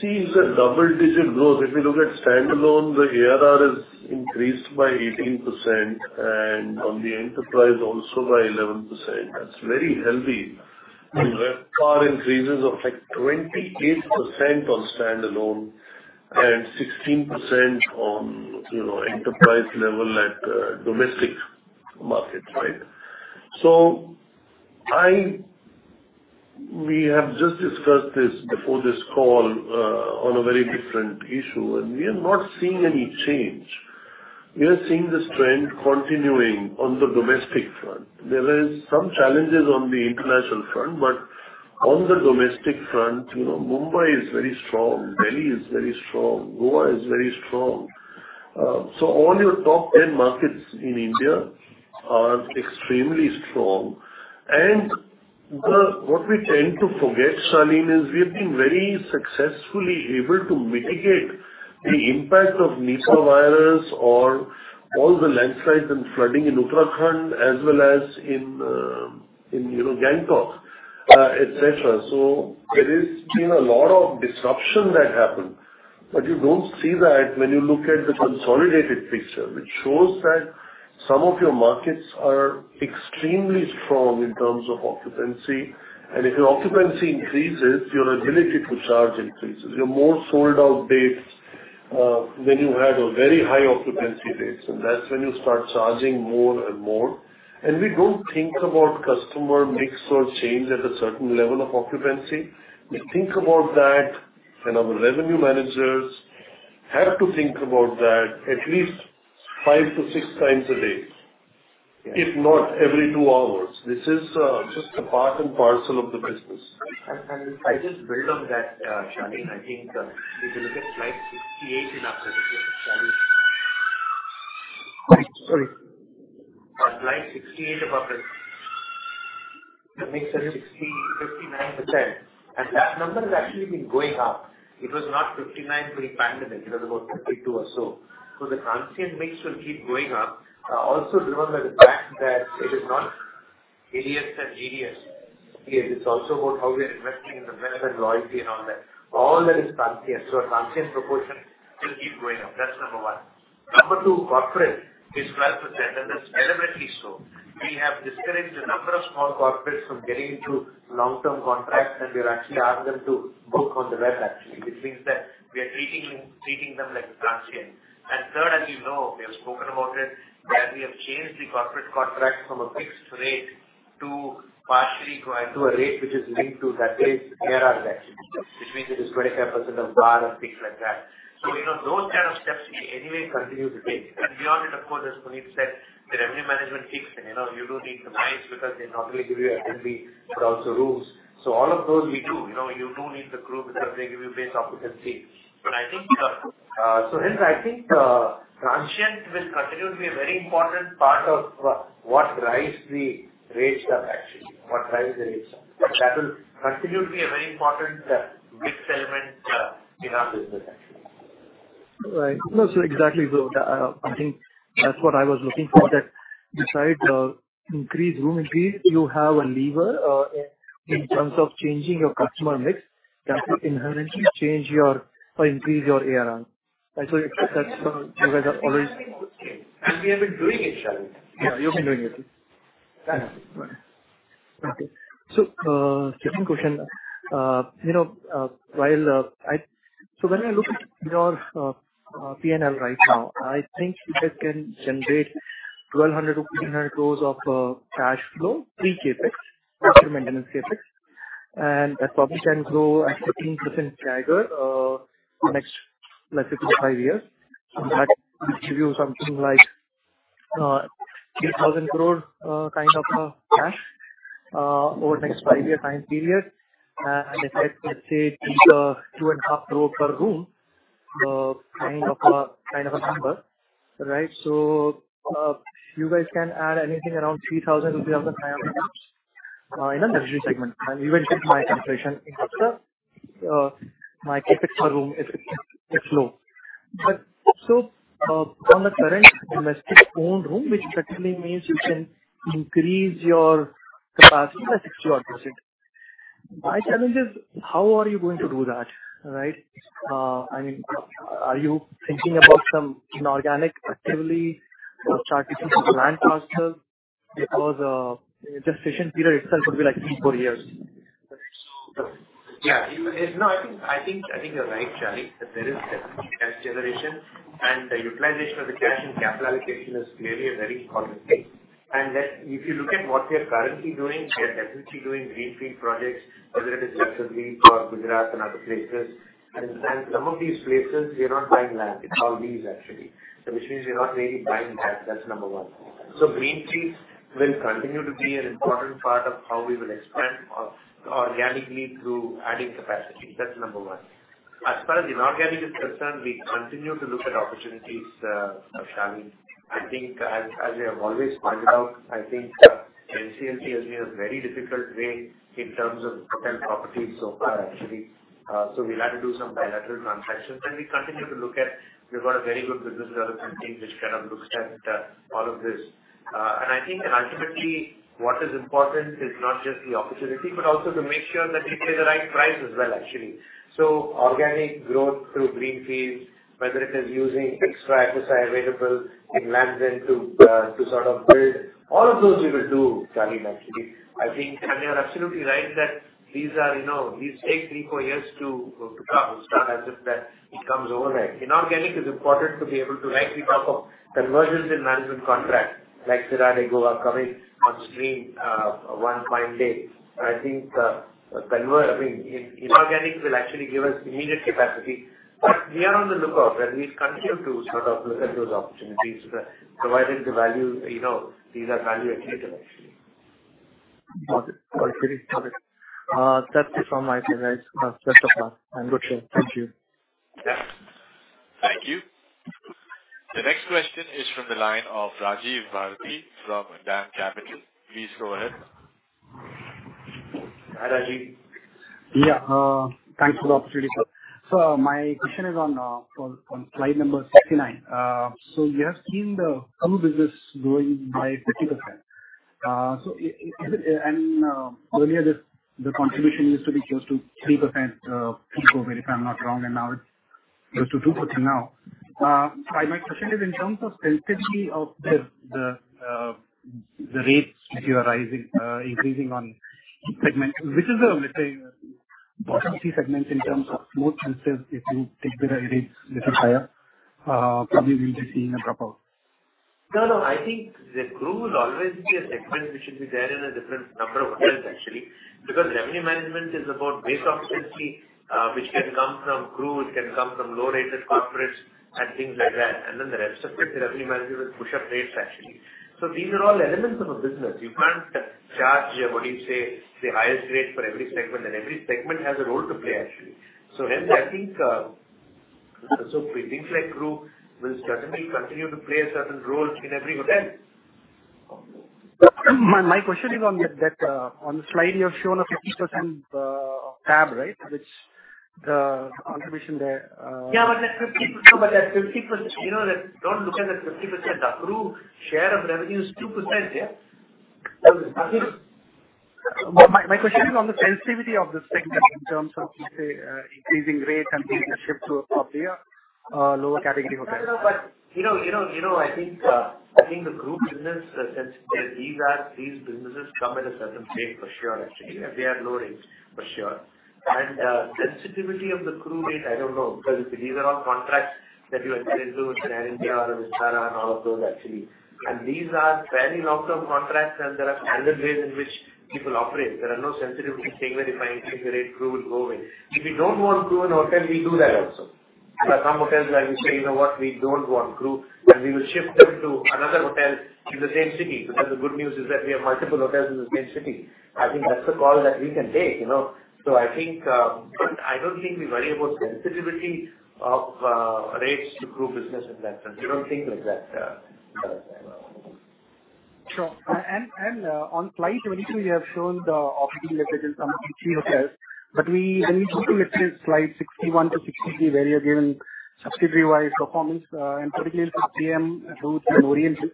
See, it's a double-digit growth. If you look at standalone, the ARR has increased by 18%, and on the enterprise also by 11%. That's very healthy. The RevPAR increases of, like, 28% on standalone and 16% on, you know, enterprise level at domestic markets, right? We have just discussed this before this call on a very different issue, and we are not seeing any change. We are seeing this trend continuing on the domestic front. There is some challenges on the international front, but on the domestic front, you know, Mumbai is very strong, Delhi is very strong, Goa is very strong. So all your top 10 markets in India are extremely strong. And what we tend to forget, Shalin, is we have been very successfully able to mitigate the impact of Nipah virus or all the landslides and flooding in Uttarakhand as well as in, you know, Gangtok, et cetera. So there has been a lot of disruption that happened, but you don't see that when you look at the consolidated picture, which shows that some of your markets are extremely strong in terms of occupancy. And if your occupancy increases, your ability to charge increases. You're more sold out dates, when you have a very high occupancy dates, and that's when you start charging more and more. And we don't think about customer mix or change at a certain level of occupancy. We think about that, and our revenue managers have to think about that at least 5-6 times a day, if not every 2 hours. This is just a part and parcel of the business. If I just build on that, Shalin, I think, if you look at slide 68 in our presentation. Sorry. On slide 68 of our presentation, the mix is 60, 59%, and that number has actually been going up. It was not 59% pre-pandemic, it was about 52 or so. So the transient mix will keep going up. Also driven by the fact that it is not idiots and genius. It is also about how we are investing in the brand and loyalty and all that. All that is transient. So our transient proportion will keep going up. That's number one. Number two, corporate is 12%, and that's evidently so. We have discouraged a number of small corporates from getting into long-term contracts, and we've actually asked them to book on the web, actually, which means that we are treating, treating them like a transient. And third, as you know, we have spoken about it, that we have changed the corporate contract from a fixed rate to partially to a rate which is linked to that rate, ARR actually, which means it is 25% of BAR and things like that. So, you know, those kind of steps we anyway continue to take. And beyond that, of course, as Puneet said, the revenue management keeps, and you know, you do need the MICE because they not only give you an F&B, but also rooms. So all of those we do. You know, you do need the group because they give you base occupancy. But I think, so hence, I think, transient will continue to be a very important part of what drives the rates up, actually, what drives the rates up. That will continue to be a very important mix element in our business actually. Right. No, exactly, I think that's what I was looking for, that besides increase, room increase, you have a lever, in terms of changing your customer mix, that will inherently change your or increase your ARR. And you guys are always- We have been doing it, Charlene. you've been doing it. Yeah. Right. Okay. So, second question. So when I look at your PNL right now, I think you guys can generate 1,200-1,500 crore of cash flow, pre-CapEx, after maintenance CapEx, and that probably can grow at 15% CAGR, next, let's say, to five years. And that will give you something like, 3,000 crore kind of a cash over the next five-year time period. And if that, let's say, is 2.5 crore per room kind of a number, right? So, you guys can add anything around 3,000 rupees of the CapEx in the luxury segment, and even if my calculation is extra, my CapEx per room is low. So, on the current domestic owned room, which practically means you can increase your capacity by 60-odd%. My challenge is: How are you going to do that, right? I mean, are you thinking about some inorganic activity or starting some land parcel? Because, just gestation period itself would be like 3-4 years. Yeah. No, I think you're right, Charlene, that there is definitely cash generation, and the utilization of the cash and capital allocation is clearly a very important thing. And then if you look at what we are currently doing, we are definitely doing greenfield projects, whether it is Jaipur, Gujarat, and other places. And some of these places, we are not buying land, it's all lease actually. So which means we're not really buying land, that's number one. So greenfields will continue to be an important part of how we will expand organically through adding capacity. That's number one. As far as inorganic is concerned, we continue to look at opportunities, Charlie. I think as I have always pointed out, I think NCLT has been a very difficult way in terms of hotel properties so far, actually. We'll have to do some bilateral transactions, and we continue to look at. We've got a very good business development team, which kind of looks at, all of this. I think ultimately what is important is not just the opportunity, but also to make sure that we pay the right price as well, actually. Organic growth through greenfields, whether it is using extra FSI available in land bank to, to sort of build. All of those we will do, Charlie, actually. I think, and you're absolutely right, that these are, you know, these take 3, 4 years to, to come. It's not as if that it comes overnight. Inorganic is important to be able to, like we talk of, conversions in management contracts like Cidade de Goa are coming on stream, one fine day. I think, I mean, inorganic will actually give us immediate capacity, but we are on the lookout, and we continue to sort of look at those opportunities, provided the value, you know, these are value accretive, actually. Got it. Got it. That's it from my side. Best of luck and good share. Thank you. Thank you. The next question is from the line of Rajiv Bharati from Dam Capital. Please go ahead. Hi, Rajiv. Yeah. Thanks for the opportunity, sir. So my question is on slide number 69. So you have seen the crew business growing by 50%. So and earlier, the contribution used to be close to 3%, if I'm not wrong, and now it's close to 2% now. My question is in terms of sensitivity of the rates that you are rising, increasing on segment, which is the, let's say, bottom three segments in terms of more sensitive, if you take better rates little higher, probably we'll be seeing a drop out? No, no, I think the crew will always be a segment which should be there in a different number of hotels, actually, because revenue management is about base occupancy, which can come from crew, it can come from low-rated corporates and things like that. And then the rest of the revenue management will push up rates, actually. So these are all elements of a business. You can't charge, what do you say, the highest rate for every segment, and every segment has a role to play, actually. So hence, I think, so things like crew will certainly continue to play a certain role in every hotel. My question is on that, on the slide, you have shown a 50%, tab, right? Which the contribution there, Yeah, but that 50%, but that 50%, you know that don't look at that 50%. The crew share of revenue is 2%, yeah? My question is on the sensitivity of this segment in terms of, say, increasing rates and being shipped to a lower category hotel? No, no, but you know, you know, you know, I think, I think the crew business, these are, these businesses come at a certain rate for sure, actually, and they are low rates for sure. And, sensitivity of the crew rate, I don't know, because these are all contracts that you enter into with Air India or Vistara and all of those actually. And these are very long-term contracts, and there are standard ways in which people operate. There are no sensitivity saying that if I increase the rate, crew will go away. If we don't want crew in a hotel, we do that also. There are some hotels where you say: You know what? We don't want crew, and we will ship them to another hotel in the same city, because the good news is that we have multiple hotels in the same city. I think that's the call that we can take, you know? So I think, but I don't think we worry about sensitivity of, rates to crew business in that sense. We don't think like that. Sure. And on slide 22, you have shown the operating leverage in some key hotels, but we, when we look at slide 61-63, where you're giving subsidiary-wide performance, and particularly Piem, Roots and Oriental.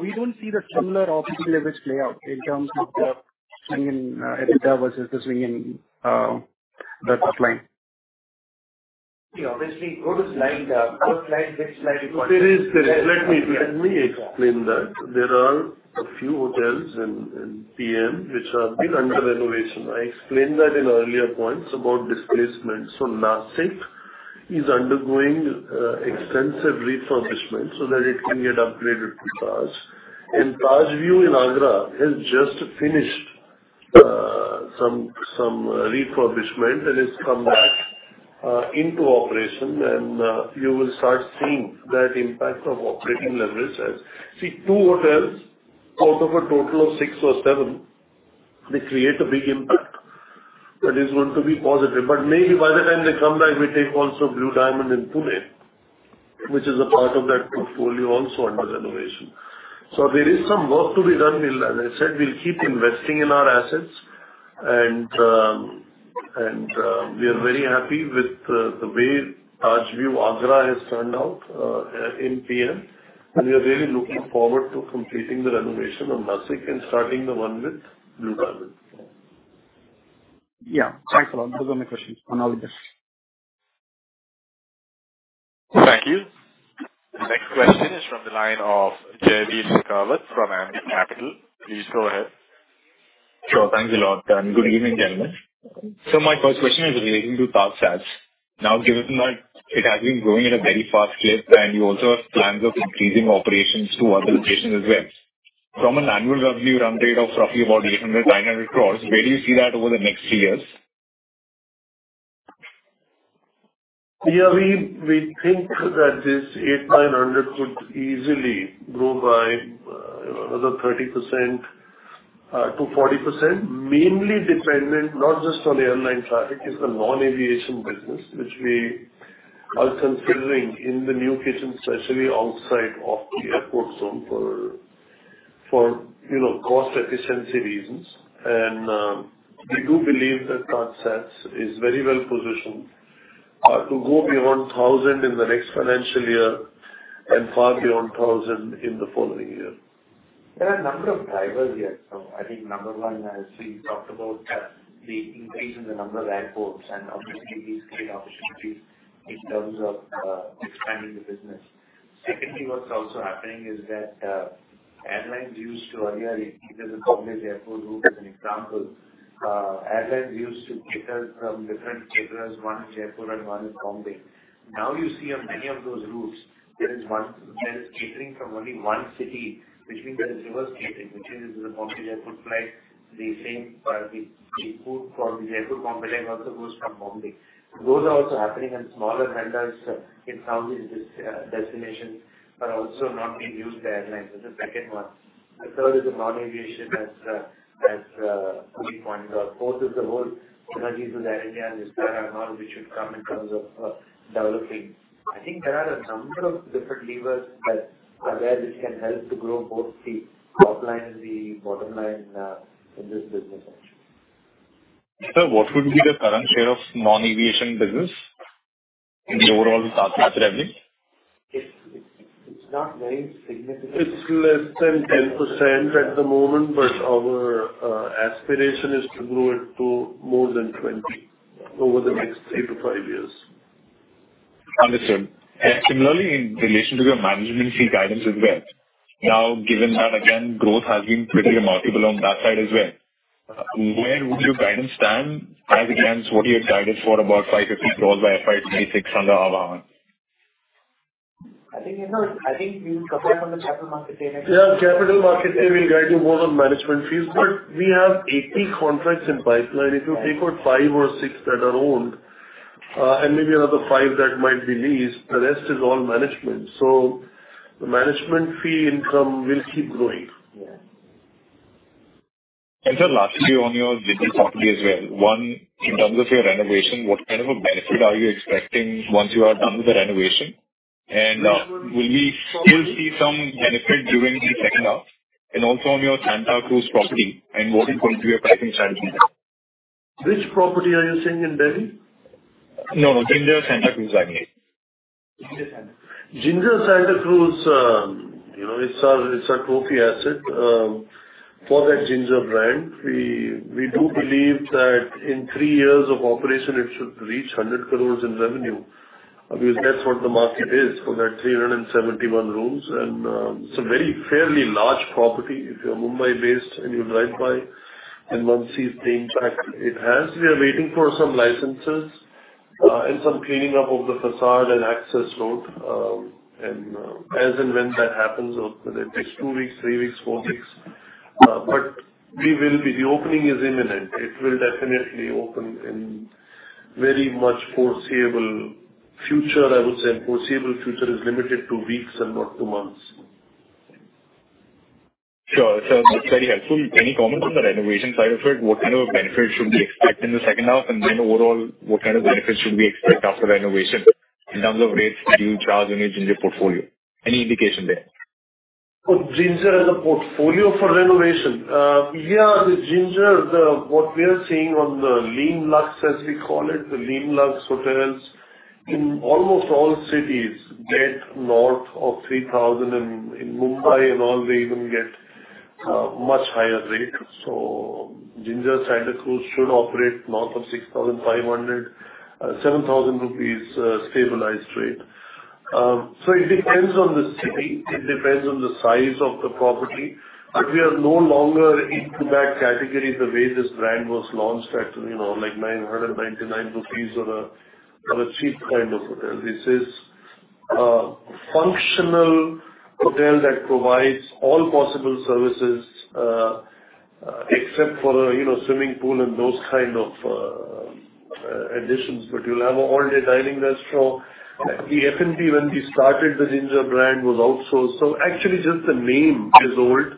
We don't see the similar operating leverage play out in terms of the swing in Air India versus the swing in the top line. Obviously, go to slide, what slide, which slide? There is, there is. Let me, let me explain that. There are a few hotels in, Piem which are being under renovation. I explained that in earlier points about displacement. So Nasik is undergoing extensive refurbishment so that it can get upgraded to Taj. And TajView in Agra has just finished some, some refurbishment and has come back into operation, and you will start seeing that impact of operating leverage. As, see, two hotels out of a total of six or seven, they create a big impact that is going to be positive. But maybe by the time they come back, we take also Blue Diamond in Pune, which is a part of that portfolio, also under renovation. So there is some work to be done. We'll, as I said, keep investing in our assets, and we are very happy with the way Tajview Agra has turned out, in Piem. We are really looking forward to completing the renovation of Nasik and starting the one with Blue Diamond. Yeah, thanks a lot. Those are my questions on all this. Thank you. The next question is from the line of Jaideep Karwa from Ambit Capital. Please go ahead. Sure. Thanks a lot, and good evening, gentlemen. So my first question is relating to TajSATS. Now, given that it has been growing at a very fast clip, and you also have plans of increasing operations to other locations as well. From an annual revenue run rate of roughly about 800 crore-900 crore, where do you see that over the next three years? Yeah, we think that this 800-900 could easily grow by, you know, another 30%-40%, mainly dependent not just on the airline traffic, it's the non-aviation business, which we are considering in the new kitchen, especially outside of the airport zone for, you know, cost efficiency reasons. And we do believe that TajSATS is very well positioned to go beyond 1,000 in the next financial year and far beyond 1,000 in the following year. There are a number of drivers here. So I think number one, as we talked about, that the increase in the number of airports, and obviously these create opportunities in terms of expanding the business. Secondly, what's also happening is that airlines used to earlier, if there's a Bombay airport route, as an example, airlines used to cater from different caterers, one in Jaipur and one in Bombay. Now you see on many of those routes, there is catering from only one city, which means there is reverse catering, which is the Bombay airport flight, the same, the food from Jaipur-Bombay also goes from Bombay. Those are also happening, and smaller vendors in some of these destinations are also not being used by airlines. This is the second one. The third is the non-aviation, as we pointed out. Fourth is the whole synergies with Air India and Vistara now, which should come in terms of developing. I think there are a number of different levers that are there, which can help to grow both the top line and the bottom line in this business actually. Sir, what would be the current share of non-aviation business in the overall TajSATS revenue? It's not very significant. It's less than 10% at the moment, but our aspiration is to grow it to more than 20 over the next 3-5 years. Understood. Similarly, in relation to your management fee guidance as well. Now, given that again, growth has been pretty remarkable on that side as well, where would your guidance stand as against what you had guided for about 550 crore by FY 2026 under Ahvaan? I think, you know, I think we will cover from the capital market day next- Yeah, capital market day, we guide you more on management fees, but we have 80 contracts in pipeline. If you take out 5 or 6 that are owned, and maybe another 5 that might be leased, the rest is all management. So the management fee income will keep growing. Yeah. Sir, lastly, on your little property as well. One, in terms of your renovation, what kind of a benefit are you expecting once you are done with the renovation? Will we still see some benefit during the second half? Also on your Santa Cruz property, what is going to be your pricing strategy there? Which property are you saying in Delhi? No, Ginger Santa Cruz, I mean. Ginger Santa- Ginger Santa Cruz, you know, it's our, it's our trophy asset. For that Ginger brand, we, we do believe that in 3 years of operation, it should reach 100 crore in revenue, because that's what the market is for that 371 rooms. And, it's a very fairly large property. If you're Mumbai-based and you drive by, and one sees the impact it has. We are waiting for some licenses, and some cleaning up of the facade and access road. And, as and when that happens, whether it takes 2 weeks, 3 weeks, 4 weeks, but we will be. The opening is imminent. It will definitely open in very much foreseeable future, I would say, and foreseeable future is limited to weeks and not to months. Sure, sir, that's very helpful. Any comment on the renovation side of it? What kind of benefit should we expect in the second half, and then overall, what kind of benefit should we expect after renovation in terms of rates that you charge in your Ginger portfolio? Any indication there? For Ginger as a portfolio for renovation? Yeah, the Ginger, what we are seeing on the Lean Luxe, as we call it, the Lean Luxe hotels in almost all cities get north of 3,000, and in Mumbai and all, they even get much higher rate. So Ginger Santa Cruz should operate north of 6,500-7,000 rupees, stabilized rate. So it depends on the city, it depends on the size of the property, but we are no longer into that category the way this brand was launched at, you know, like 999 rupees or a cheap kind of hotel. This is a functional hotel that provides all possible services, except for, you know, swimming pool and those kind of additions. But you'll have an all-day dining restaurant. The F&B, when we started, the Ginger brand was outsourced. So actually, just the name is old.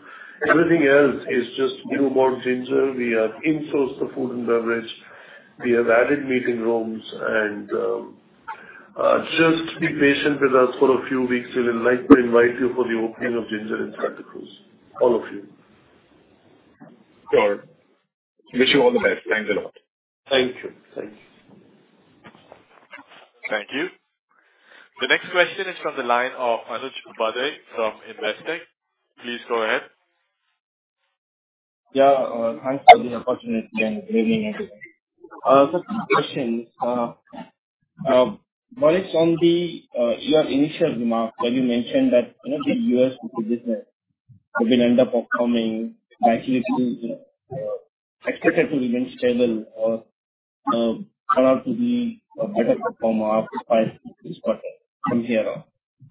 Everything else is just new about Ginger. We have insourced the food and beverage, we have added meeting rooms, and just be patient with us for a few weeks. We'll like to invite you for the opening of Ginger in Santa Cruz. All of you. Sure. Wish you all the best. Thanks a lot. Thank you. Thank you. Thank you. The next question is from the line of Anuj Kubade from Investec. Please go ahead. Yeah, thanks for the opportunity and good evening, everyone. Just two questions. Based on your initial remark, when you mentioned that, you know, the US business have been end up upcoming, actually expected to remain stable or turn out to be a better performer despite this quarter from here on.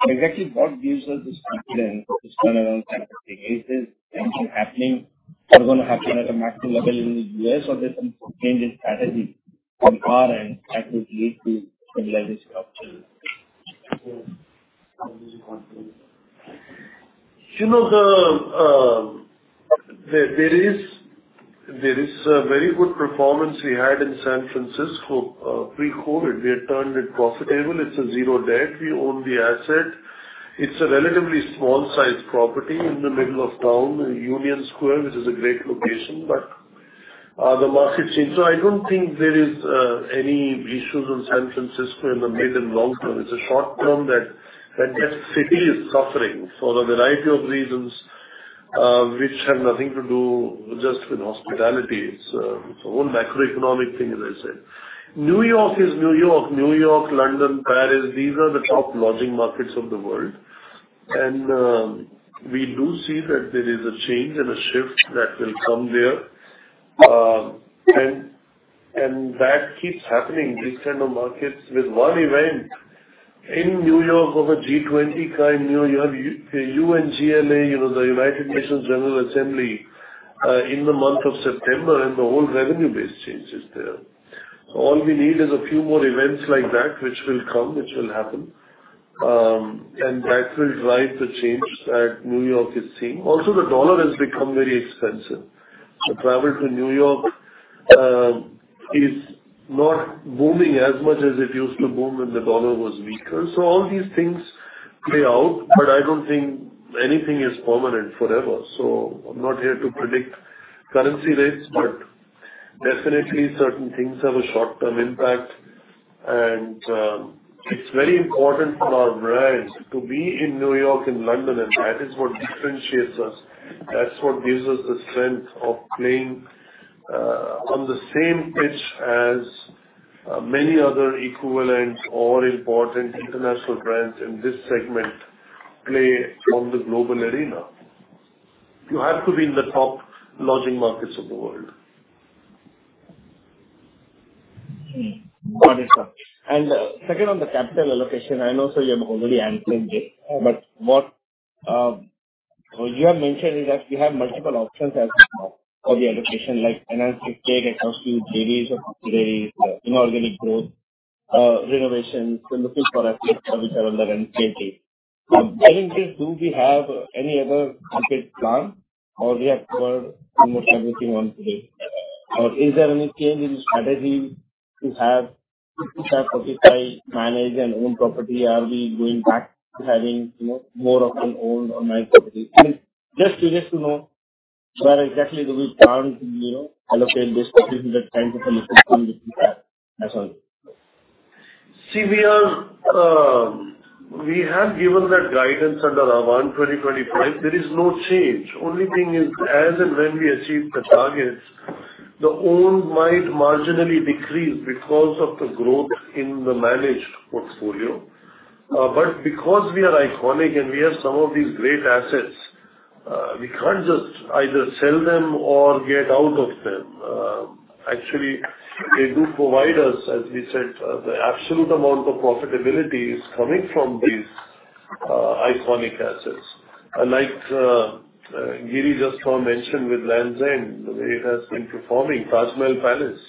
Exactly what gives us this confidence, this turnaround time? Is this something happening or going to happen at a macro level in the US, or there's some change in strategy from our end that would lead to stabilization of trends? The, there is a very good performance we had in San Francisco pre-COVID. We had turned it profitable. It's a zero debt. We own the asset. It's a relatively small sized property in the middle of town, in Union Square, which is a great location, but the market changed. So I don't think there is any issues in San Francisco in the mid and long term. It's a short term that that city is suffering for a variety of reasons, which have nothing to do just with hospitality. It's it's a whole macroeconomic thing, as I said. New York is New York. New York, London, Paris, these are the top lodging markets of the world. And we do see that there is a change and a shift that will come there. And that keeps happening, these kind of markets, with one event in New York of a G20 kind, you know, you have UNGA, you know, the United Nations General Assembly, in the month of September, and the whole revenue base changes there. All we need is a few more events like that, which will come, which will happen, and that will drive the change that New York is seeing. Also, the US dollar has become very expensive. To travel to New York is not booming as much as it used to boom when the US dollar was weaker. So all these things play out, but I don't think anything is permanent forever. So I'm not here to predict currency rates, but definitely certain things have a short-term impact. It's very important for our brands to be in New York and London, and that is what differentiates us. That's what gives us the strength of playing on the same pitch as many other equivalent or important international brands in this segment play on the global arena. You have to be in the top lodging markets of the world. Okay. Got it, sir. Second on the capital allocation, I know, sir, you have already answered it, but what you have mentioned is that we have multiple options as of now for the allocation, like NL68, it comes to JVs or today, inorganic growth, renovations. We're looking for assets which are under NCLT. Getting this, do we have any other concrete plan or we have covered almost everything on today? Or is there any change in strategy to have 55 property, manage and own property? Are we going back to having, you know, more of an owned or managed property? I mean, just to get to know where exactly do we plan to, you know, allocate this particular kind of allocation that we have. That's all. See, we are, we have given that guidance under our 2025, there is no change. Only thing is, as and when we achieve the targets, the owned might marginally decrease because of the growth in the managed portfolio. But because we are iconic and we have some of these great assets, we can't just either sell them or get out of them. Actually, they do provide us, as we said, the absolute amount of profitability is coming from these, iconic assets. Unlike, Giridhar just now mentioned with Taj Lands End, the way it has been performing, Taj Mahal Palace,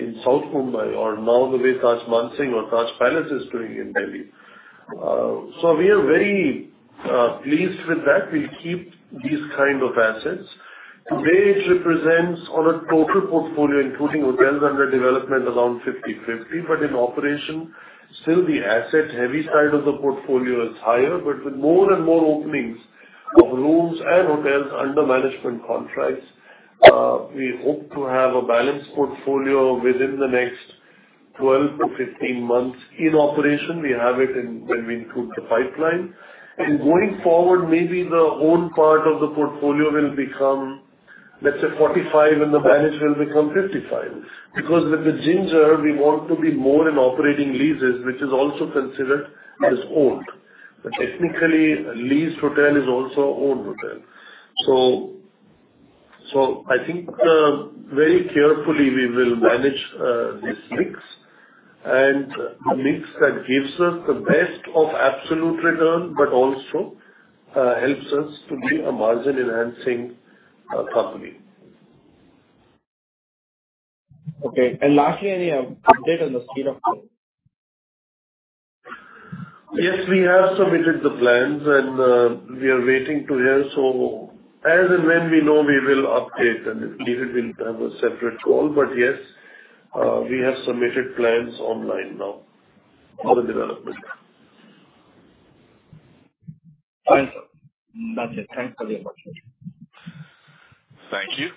in South Mumbai, or now the way Taj Mansingh or Taj Palace is doing in Delhi. So we are very, pleased with that. We'll keep these kind of assets. Today, it represents on a total portfolio, including hotels under development, around 50/50, but in operation, still the asset-heavy side of the portfolio is higher. But with more and more openings of rooms and hotels under management contracts, we hope to have a balanced portfolio within the next 12-15 months. In operation, we have it in when we include the pipeline. And going forward, maybe the owned part of the portfolio will become, let's say, 45, and the managed will become 55. Because with the Ginger, we want to be more in operating leases, which is also considered as owned. But technically, a leased hotel is also owned hotel. So, so I think, very carefully we will manage, this mix, and the mix that gives us the best of absolute return, but also, helps us to be a margin-enhancing, company. Okay. Lastly, any update on the Sea Rock? Yes, we have submitted the plans, and we are waiting to hear. So as and when we know, we will update, and if needed, we'll have a separate call. But yes, we have submitted plans online now for the development. Fine, sir. That's it. Thanks for your question. Thank you.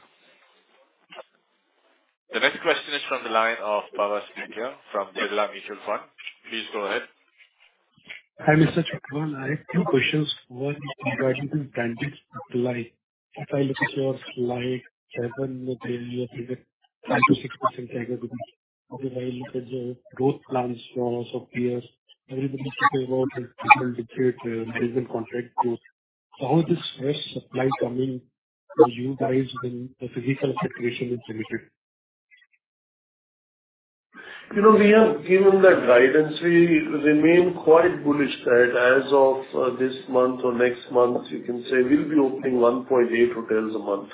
The next question is from the line of Pallav Singhal from Dolat Capital. Please go ahead. Hi, Mr. Chhatwal. I have two questions. One is regarding the branded supply. If I look at your slide, 7-8, you get 5%-6% every year. If I look at the growth plans for peers, everybody is talking about different contract growth. So how is this fresh supply coming for you guys when the physical situation is limited? You know, we have given that guidance. We remain quite bullish that as of this month or next month, you can say we'll be opening 1.8 hotels a month.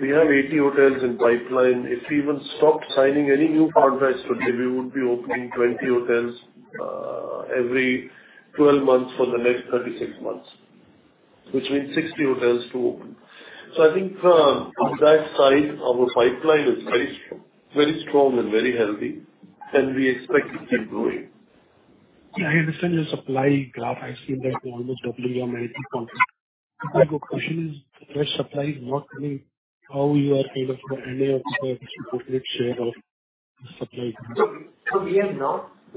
We have 80 hotels in pipeline. If we even stopped signing any new contracts today, we would be opening 20 hotels every 12 months for the next 36 months, which means 60 hotels to open. So I think from that side, our pipeline is very strong, very strong and very healthy, and we expect it to keep growing. Yeah, I understand your supply graph. I've seen that you're almost doubling your management contract. My question is, fresh supply is not coming, how you are kind of the market share of supply? So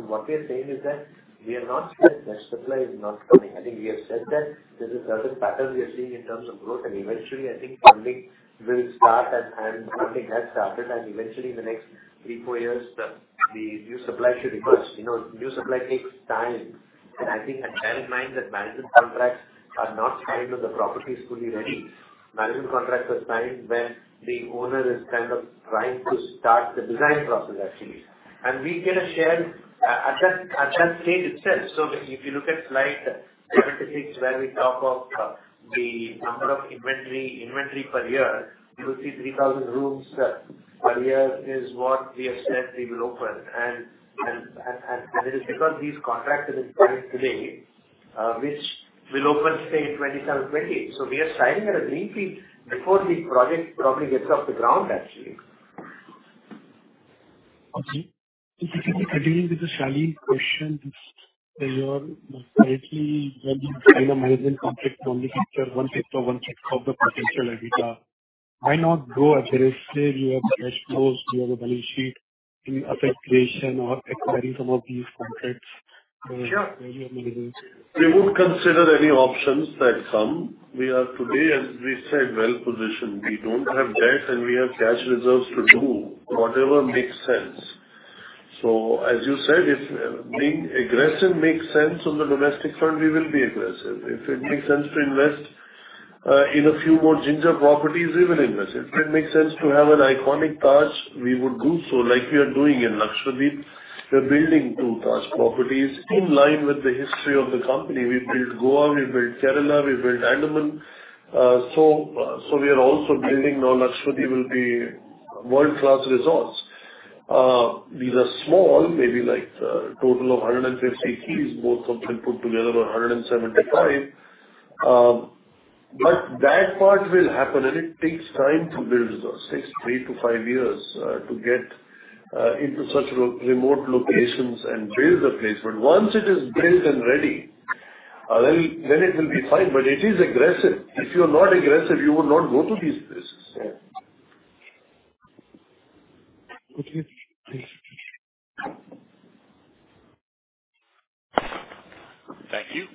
what we are saying is that we have not said that supply is not coming. I think we have said that there's a certain pattern we are seeing in terms of growth, and eventually, I think funding will start and funding has started. And eventually, in the next three, four years, the new supply should reverse. You know, new supply takes time, and I think bear in mind that management contracts are not signed when the property is fully ready. Management contracts are signed when the owner is kind of trying to start the design process, actually. And we get a share at that stage itself. So if you look at slide 76, where we talk of the number of inventory per year, you will see 3,000 rooms per year is what we have said we will open. And it is because these contracts are signed today, which will open, say, in 2020. So we are signing at a greenfield before the project probably gets off the ground, actually. Okay. If we can continue with the Shalin question, you're currently, when you sign a management contract, normally capture one fifth or one sixth of the potential EBITDA. Why not go aggressive? You have cash flows, you have a balance sheet in asset creation or acquiring some of these contracts? Sure. We would consider any options that come. We are today, as we said, well positioned. We don't have debt, and we have cash reserves to do whatever makes sense. So as you said, if being aggressive makes sense on the domestic front, we will be aggressive. If it makes sense to invest in a few more Ginger properties, we will invest. If it makes sense to have an iconic Taj, we would do so, like we are doing in Lakshadweep. We're building two Taj properties in line with the history of the company. We built Goa, we built Kerala, we built Andaman. So, so we are also building now. Lakshadweep will be world-class resorts. These are small, maybe like a total of 150 keys, both of them put together, or 175. But that part will happen, and it takes time to build resorts. It takes 3-5 years to get into such re-remote locations and build the place. But once it is built and ready, then it will be fine. But it is aggressive. If you're not aggressive, you will not go to these places. Yeah. Okay, thank you. Thank you.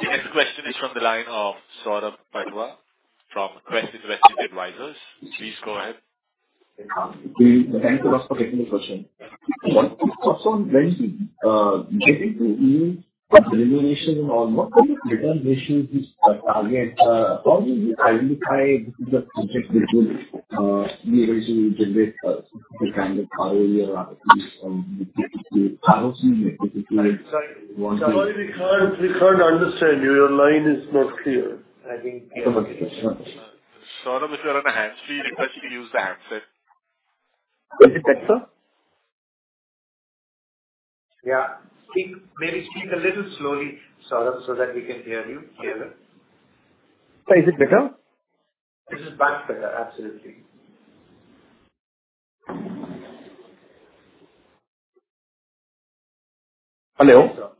The next question is from the line of Saurabh Madaan from Quest Investment Advisors. Please go ahead. Thank you for taking the question. When you get into a renovation or what kind of return ratios you target, how do you identify the project which will be able to generate the kind of ROI or RP from.? Sorry, we can't, we can't understand you. Your line is not clear. I think- Saurabh, if you're on a handset, we request you to use the handset. Is it better, sir? Yeah. Speak, maybe speak a little slowly, Saurabh, so that we can hear you better. Is it better? This is much better. Absolutely. Hello.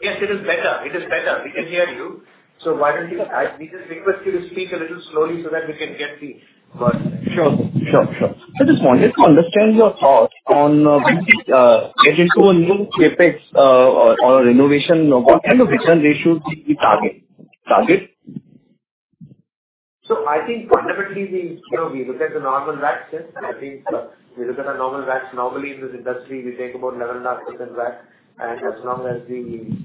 Yes, it is better. It is better. We can hear you. So why don't you. I, we just request you to speak a little slowly so that we can get the got it. Sure, sure, sure. I just wanted to understand your thoughts on getting to a new CapEx or renovation. What kind of return ratios do you target? Target? So I think fundamentally, we, you know, we look at the normal racks, yes. I think we look at the normal racks. Normally, in this industry, we take about 11.5% rack, and as long as the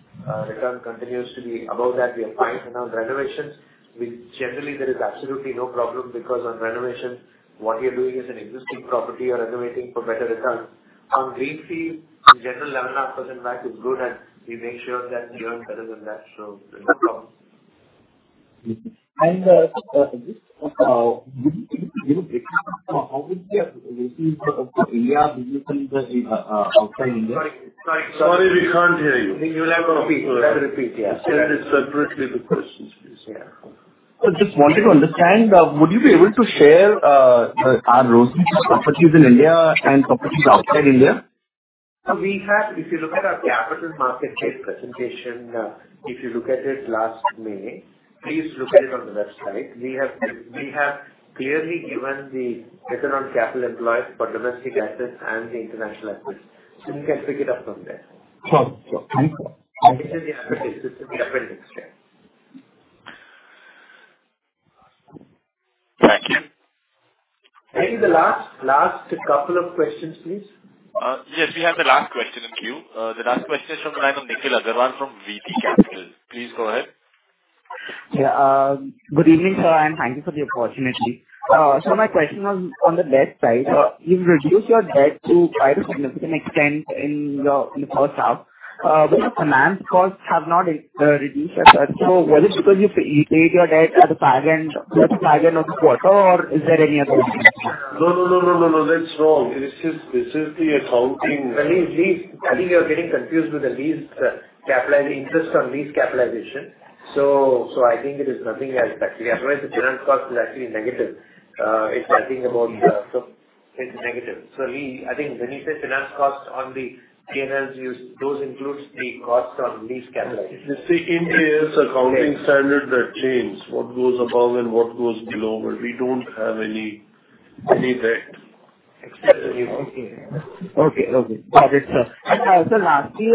return continues to be above that, we are fine. In our renovations, we generally there is absolutely no problem because on renovations, what you're doing is an existing property you're renovating for better returns. On greenfield, in general, 11.5% rack is good, and we make sure that we earn better than that, so there's no problem. How would you receive of the India business and outside India? Sorry, we can't hear you. You'll have to repeat. You'll have to repeat, yeah. Say it separately the questions, please. Yeah. I just wanted to understand, would you be able to share, our ROE properties in India and properties outside India? We have, if you look at our capital market case presentation, if you look at it last May, please look at it on the website. We have clearly given the Return on Capital Employed for domestic assets and the international assets. So you can pick it up from there. Sure, sure. Thank you. It's in the appendix. It's in the appendix. Thank you. Maybe the last, last couple of questions, please. Yes, we have the last question in queue. The last question is from the line of Nikhil Agarwal from VT Capital. Please go ahead. Good evening, sir, and thank you for the opportunity. So my question was on the debt side. You've reduced your debt to quite a significant extent in your, in the first half. But the finance costs have not reduced as such. So was it because you paid your debt at the back end, at the back end of the quarter, or is there any other reason? No, no, no, no, no, no, that's wrong. It is just, this is the accounting- I think lease, I think you're getting confused with the lease, capital, interest on lease capitalization. So, I think it is nothing else actually. Otherwise, the finance cost is actually negative. It's, I think, about, so it's negative. So I think when you say finance costs on the P&L, those includes the costs on lease capitalization. You see, Indian accounting standard that change what goes above and what goes below, but we don't have any debt. Exactly. Okay. Got it, sir. And so lastly,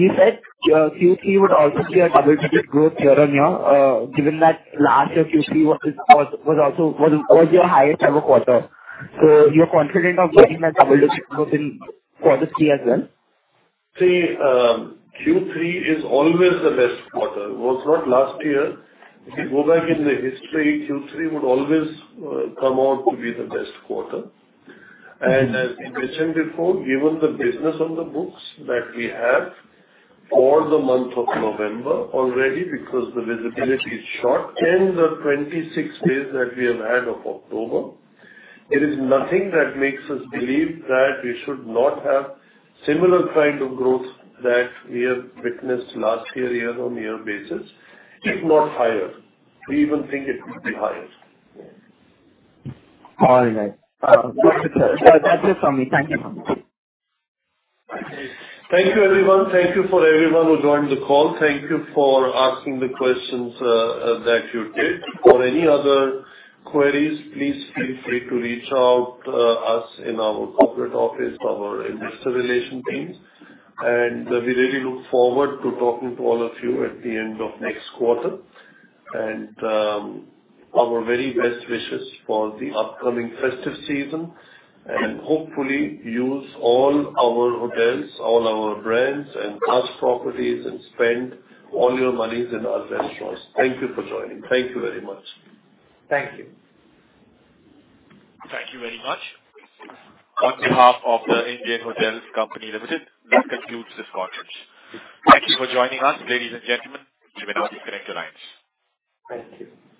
you said your Q3 would also be a double-digit growth year-on-year, given that last year Q3 was also your highest ever quarter. So you're confident of getting that double-digit growth in quarter three as well? See, Q3 is always the best quarter. Was not last year. If you go back in the history, Q3 would always come out to be the best quarter. Mm-hmm. As we mentioned before, given the business on the books that we have for the month of November already, because the visibility is short, in the 26 days that we have had of October, it is nothing that makes us believe that we should not have similar kind of growth that we have witnessed last year, year-on-year basis, if not higher. We even think it will be higher. All right. That's it for me. Thank you. Thank you, everyone. who joined the call. Thank you for asking the questions that you did. For any other queries, please feel free to reach out us in our corporate office, our investor relation teams, and we really look forward to talking to all of you at the end of next quarter. Our very best wishes for the upcoming festive season, and hopefully you use all our hotels, all our brands and us properties, and spend all your monies in our restaurants. Thank you for joining. Thank you very much. Thank you. Thank you very much. On behalf of The Indian Hotels Company Limited, that concludes this conference. Thank you for joining us, ladies and gentlemen. You may now disconnect the lines. Thank you.